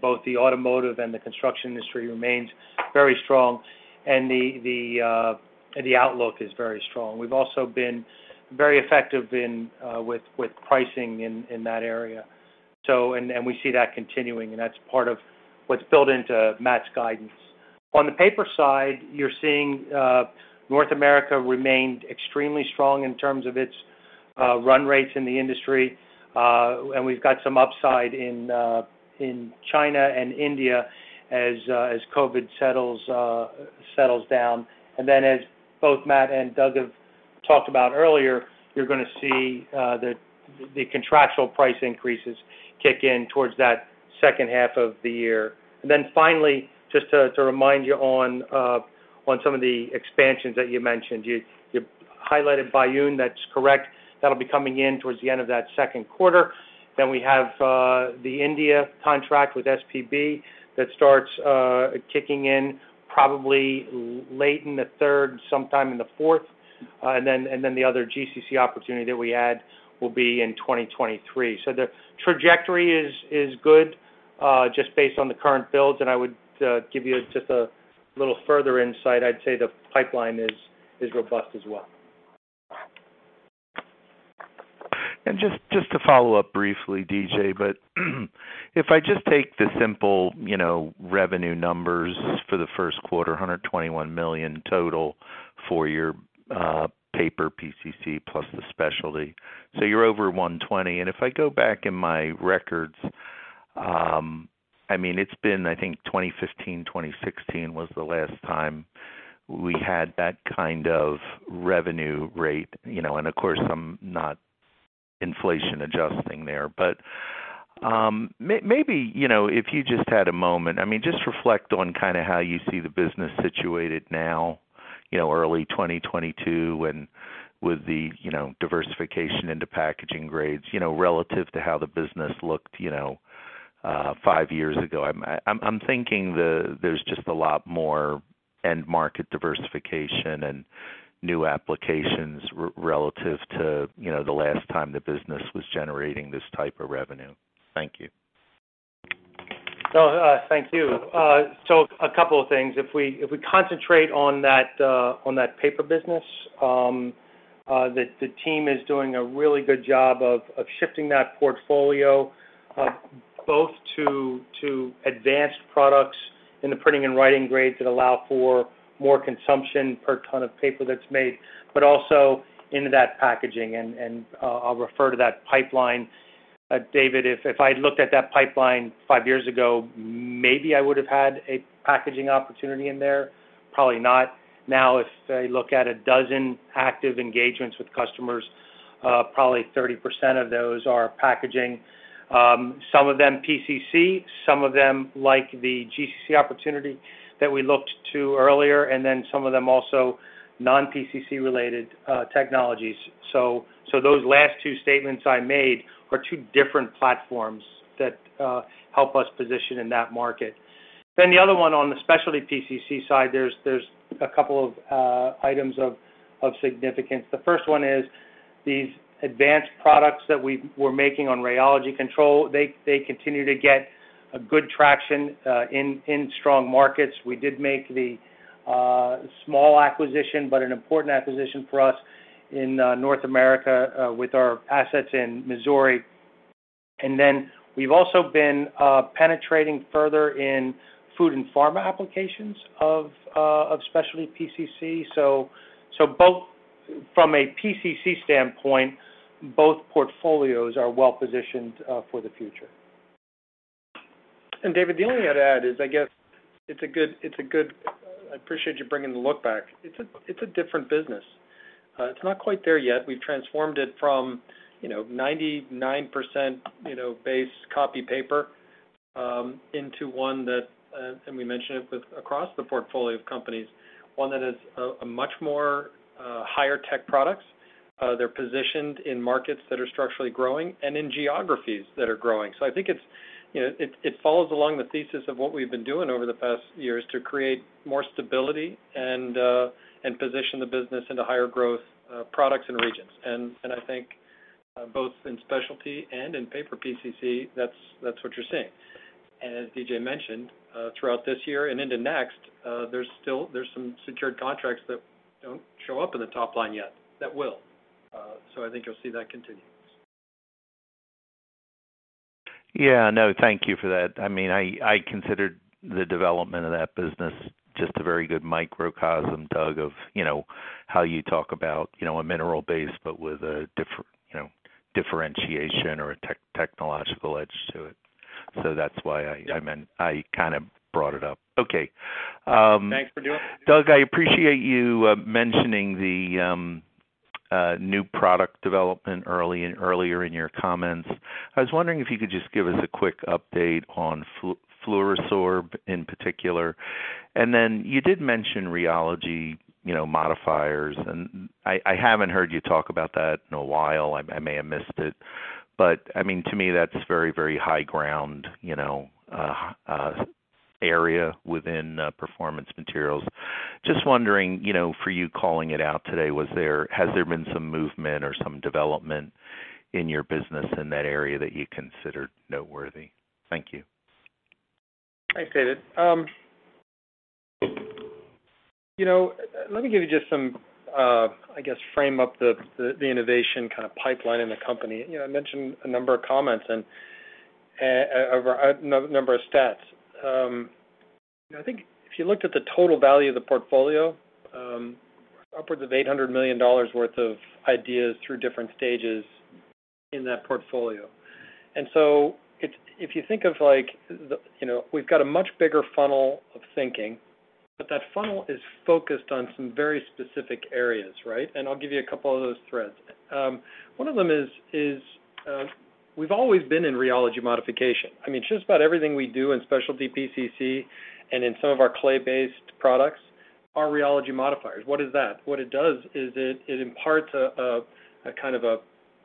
[SPEAKER 11] both the automotive and the construction industry remains very strong. The outlook is very strong. We've also been very effective with pricing in that area. We see that continuing, and that's part of what's built into Matt's guidance. On the paper side, you're seeing North America remained extremely strong in terms of its run rates in the industry. We've got some upside in China and India as COVID settles down. Then as both Matt and Doug have talked about earlier, you're gonna see the contractual price increases kick in towards that second half of the year. Finally, just to remind you on some of the expansions that you mentioned. You highlighted Baiyun, that's correct. That'll be coming in towards the end of that second quarter. Then we have the India contract with SPB that starts kicking in probably late in the third, sometime in the fourth. Then the other GCC opportunity that we add will be in 2023. The trajectory is good just based on the current builds, and I would give you just a little further insight. I'd say the pipeline is robust as well.
[SPEAKER 10] Just to follow up briefly, DJ, but if I just take the simple, you know, revenue numbers for the first quarter, $121 million total for your paper PCC plus the specialty. You're over $120 million. If I go back in my records, I mean, it's been, I think 2015, 2016 was the last time we had that kind of revenue rate, you know, and of course, I'm not inflation adjusting there. Maybe, you know, if you just had a moment, I mean, just reflect on kind of how you see the business situated now, you know, early 2022 and with the, you know, diversification into packaging grades, you know, relative to how the business looked, you know, five years ago. I'm thinking there's just a lot more end market diversification and new applications relative to, you know, the last time the business was generating this type of revenue. Thank you.
[SPEAKER 11] No, thank you. A couple of things. If we concentrate on that paper business, the team is doing a really good job of shifting that portfolio, both to advanced products in the printing and writing grades that allow for more consumption per ton of paper that's made, but also into that packaging. I'll refer to that pipeline. David, if I looked at that pipeline 5 years ago, maybe I would have had a packaging opportunity in there. Probably not. Now, if I look at 12 active engagements with customers, probably 30% of those are packaging. Some of them PCC, some of them like the GCC opportunity that we looked to earlier, and then some of them also non-PCC related technologies. Those last two statements I made are two different platforms that help us position in that market. The other one on the specialty PCC side, there's a couple of items of significance. The first one is these advanced products that we're making on rheology control, they continue to get a good traction in strong markets. We did make the small acquisition, but an important acquisition for us in North America with our assets in Missouri. We've also been penetrating further in food and pharma applications of specialty PCC. Both from a PCC standpoint, both portfolios are well-positioned for the future.
[SPEAKER 3] David, the only thing I'd add is I guess it's a good point. I appreciate you taking a look back. It's a different business. It's not quite there yet. We've transformed it from, you know, 99%, you know, base copy paper into one that, and we mentioned it across the portfolio of companies, one that is a much more high-tech products. They're positioned in markets that are structurally growing and in geographies that are growing. So I think it's, you know, it follows along the thesis of what we've been doing over the past years to create more stability and position the business into higher growth products and regions. I think both in specialty and in paper PCC, that's what you're seeing. As DJ mentioned, throughout this year and into next, there's some secured contracts that don't show up in the top line yet. That will. I think you'll see that continue.
[SPEAKER 10] Yeah, no, thank you for that. I mean, I considered the development of that business just a very good microcosm, Doug, of, you know, how you talk about, you know, a mineral base, but with a, you know, differentiation or a technological edge to it. So that's why I-
[SPEAKER 3] Yeah.
[SPEAKER 10] I meant I kind of brought it up. Okay.
[SPEAKER 3] Thanks for doing it.
[SPEAKER 10] Doug, I appreciate you mentioning the. New product development earlier in your comments. I was wondering if you could just give us a quick update on FLUORO-SORB in particular. Then you did mention rheology, you know, modifiers. I haven't heard you talk about that in a while. I may have missed it. I mean, to me, that's very, very high ground, you know, area within Performance Materials. Just wondering, you know, for you calling it out today, has there been some movement or some development in your business in that area that you considered noteworthy? Thank you.
[SPEAKER 3] Thanks, David. You know, let me give you just some, I guess, frame up the innovation kinda pipeline in the company. You know, I mentioned a number of comments and a number of stats. I think if you looked at the total value of the portfolio, upwards of $800 million worth of ideas through different stages in that portfolio. If you think of like the, you know, we've got a much bigger funnel of thinking, but that funnel is focused on some very specific areas, right? I'll give you a couple of those threads. One of them is, we've always been in rheology modification. I mean, just about everything we do in specialty PCC and in some of our clay-based products are rheology modifiers. What is that?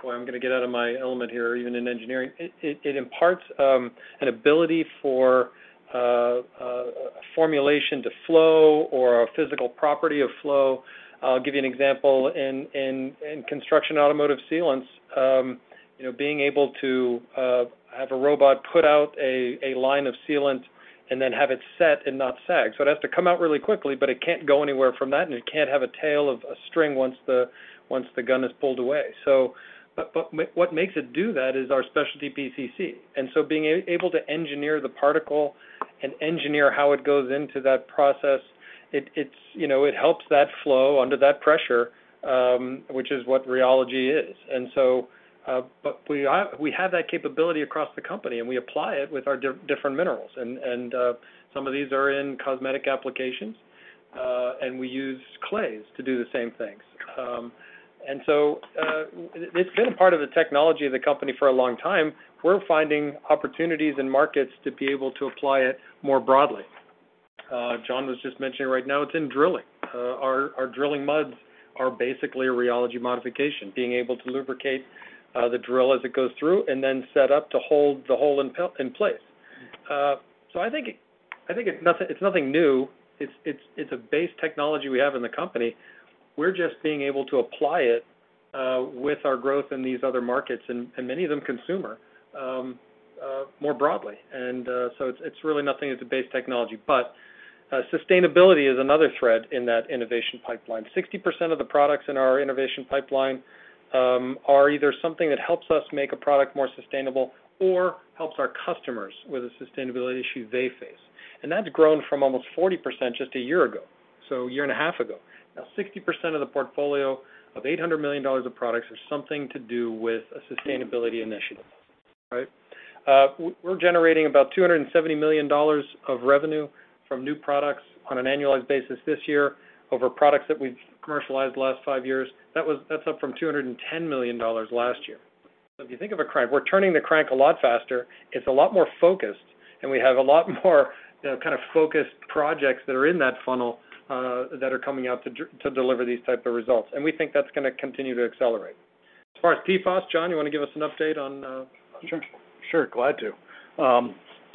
[SPEAKER 3] Boy, I'm gonna get out of my element here, even in engineering. It imparts an ability for a formulation to flow or a physical property of flow. I'll give you an example. In construction and automotive sealants, you know, being able to have a robot put out a line of sealant and then have it set and not sag. It has to come out really quickly, but it can't go anywhere from that, and it can't have a tail or a string once the gun is pulled away. What makes it do that is our specialty PCC. Being able to engineer the particle and engineer how it goes into that process, it's, you know, it helps that flow under that pressure, which is what rheology is. But we have that capability across the company, and we apply it with our different minerals. Some of these are in cosmetic applications, and we use clays to do the same things. It's been a part of the technology of the company for a long time. We're finding opportunities in markets to be able to apply it more broadly. Jon was just mentioning right now it's in drilling. Our drilling muds are basically a rheology modification, being able to lubricate the drill as it goes through and then set up to hold the hole in place. I think it's nothing, it's nothing new. It's a base technology we have in the company. We're just being able to apply it with our growth in these other markets, and many of them consumer more broadly. It's really nothing. It's a base technology. Sustainability is another thread in that innovation pipeline. 60% of the products in our innovation pipeline are either something that helps us make a product more sustainable or helps our customers with a sustainability issue they face. That's grown from almost 40% just a year ago, a year and a half ago. Now 60% of the portfolio of $800 million of products has something to do with a sustainability initiative. Right? We're generating about $270 million of revenue from new products on an annualized basis this year over products that we've commercialized the last five years. That's up from $210 million last year. If you think of a crank, we're turning the crank a lot faster, it's a lot more focused, and we have a lot more you know, kind of focused projects that are in that funnel, that are coming out to deliver these type of results. We think that's gonna continue to accelerate. As far as PFAS, Jon, you wanna give us an update on.
[SPEAKER 10] Sure. Glad to.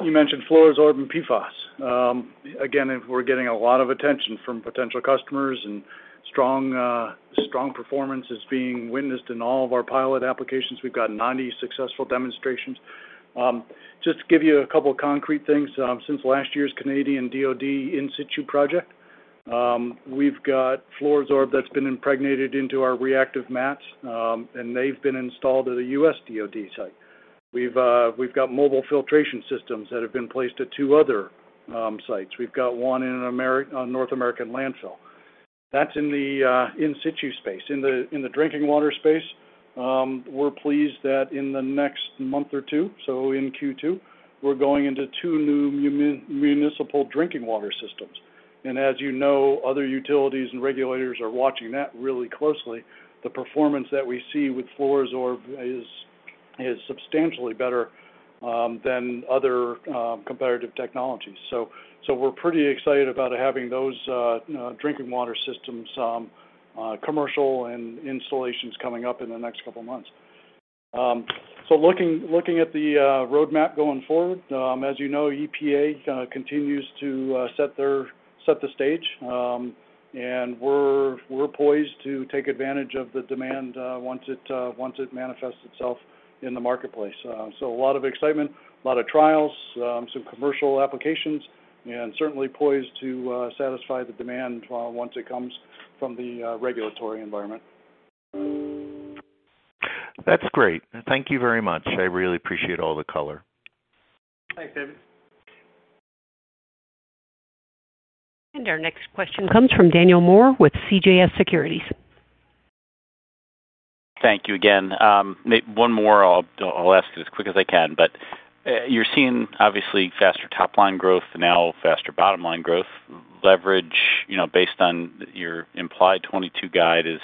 [SPEAKER 10] You mentioned FLUORO-SORB and PFAS. Again, we're getting a lot of attention from potential customers and strong performance is being witnessed in all of our pilot applications. We've got 90 successful demonstrations. Just to give you a couple concrete things, since last year's Canadian DoD in situ project, we've got FLUORO-SORB that's been impregnated into our reactive mats, and they've been installed at a U.S. DoD site. We've got mobile filtration systems that have been placed at two other sites. We've got one in a North American landfill. That's in the in situ space. In the drinking water space, we're pleased that in the next month or two, so in Q2, we're going into two new municipal drinking water systems. As you know, other utilities and regulators are watching that really closely. The performance that we see with FLUORO-SORB is substantially better than other competitive technologies. We're pretty excited about having those drinking water systems, commercial and installations coming up in the next couple of months. Looking at the roadmap going forward, as you know, EPA continues to set the stage. We're poised to take advantage of the demand once it manifests itself in the marketplace. A lot of excitement, a lot of trials, some commercial applications, and certainly poised to satisfy the demand once it comes from the regulatory environment.
[SPEAKER 3] That's great. Thank you very much. I really appreciate all the color.
[SPEAKER 10] Thanks, David.
[SPEAKER 1] Our next question comes from Daniel Moore with CJS Securities.
[SPEAKER 5] Thank you again. May I ask one more. I'll ask it as quick as I can. You're seeing obviously faster top line growth now, faster bottom line growth. Leverage, based on your implied 2022 guide, is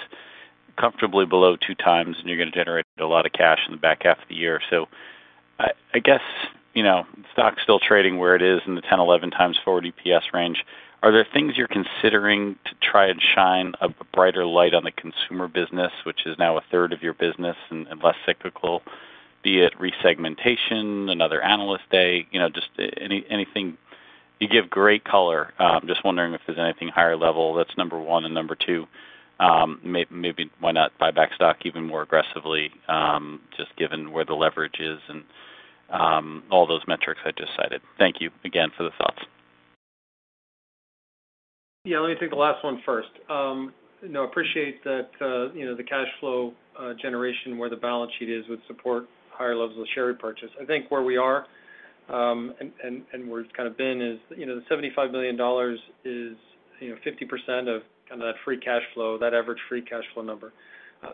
[SPEAKER 5] comfortably below 2x, and you're gonna generate a lot of cash in the back half of the year. I guess, stock's still trading where it is in the 10-11x forward EPS range. Are there things you're considering to try and shine a brighter light on the consumer business, which is now a third of your business and less cyclical, be it resegmentation, another analyst day? Just anything. You give great color. Just wondering if there's anything higher level. That's number one. Number two, maybe why not buy back stock even more aggressively, just given where the leverage is and, all those metrics I just cited. Thank you again for the thoughts.
[SPEAKER 3] Yeah, let me take the last one first. You know, appreciate that, you know, the cash flow generation where the balance sheet is would support higher levels of share repurchase. I think where we are, and where it's kinda been is, you know, the $75 million is, you know, 50% of kinda that free cash flow, that average free cash flow number.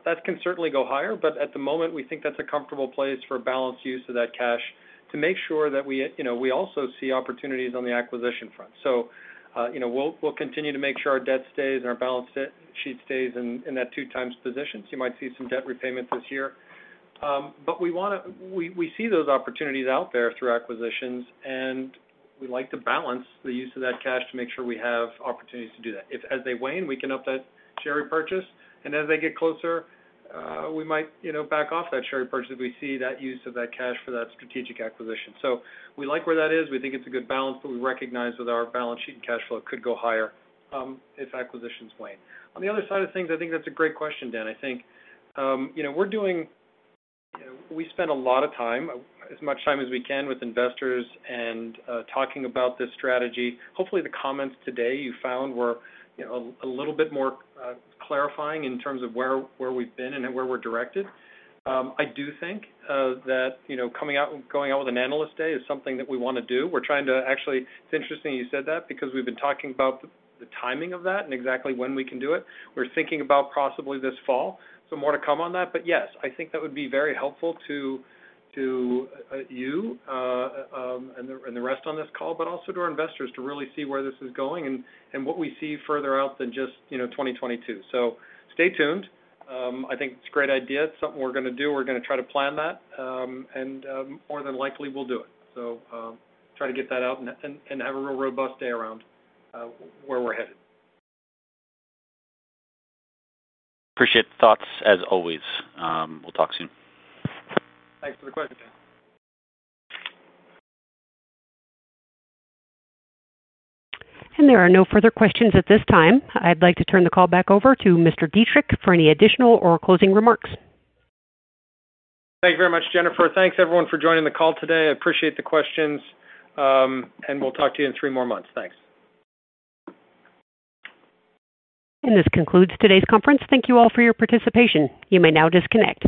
[SPEAKER 3] That can certainly go higher, but at the moment, we think that's a comfortable place for balanced use of that cash to make sure that we, you know, we also see opportunities on the acquisition front. You know, we'll continue to make sure our debt stays and our balance sheet stays in that 2x position. You might see some debt repayments this year. we see those opportunities out there through acquisitions, and we like to balance the use of that cash to make sure we have opportunities to do that. If as they wane, we can up that share repurchase, and as they get closer, we might, you know, back off that share repurchase if we see that use of that cash for that strategic acquisition. We like where that is. We think it's a good balance, but we recognize that our balance sheet and cash flow could go higher, if acquisitions wane. On the other side of things, I think that's a great question, Dan. I think, you know, we're doing. We spend a lot of time, as much time as we can with investors and talking about this strategy. Hopefully, the comments today you found were, you know, a little bit more clarifying in terms of where we've been and where we're directed. I do think that you know, going out with an analyst day is something that we wanna do. Actually, it's interesting you said that because we've been talking about the timing of that and exactly when we can do it. We're thinking about possibly this fall, so more to come on that. Yes, I think that would be very helpful to you and the rest on this call, but also to our investors to really see where this is going and what we see further out than just 2022. Stay tuned. I think it's a great idea. It's something we're gonna do. We're gonna try to plan that, and more than likely we'll do it. Try to get that out and have a real robust day around where we're headed.
[SPEAKER 5] Appreciate the thoughts as always. We'll talk soon.
[SPEAKER 3] Thanks for the question.
[SPEAKER 1] There are no further questions at this time. I'd like to turn the call back over to Mr. Dietrich for any additional or closing remarks.
[SPEAKER 3] Thank you very much, Jennifer. Thanks everyone for joining the call today. I appreciate the questions. We'll talk to you in three more months. Thanks.
[SPEAKER 1] This concludes today's conference. Thank you all for your participation. You may now disconnect.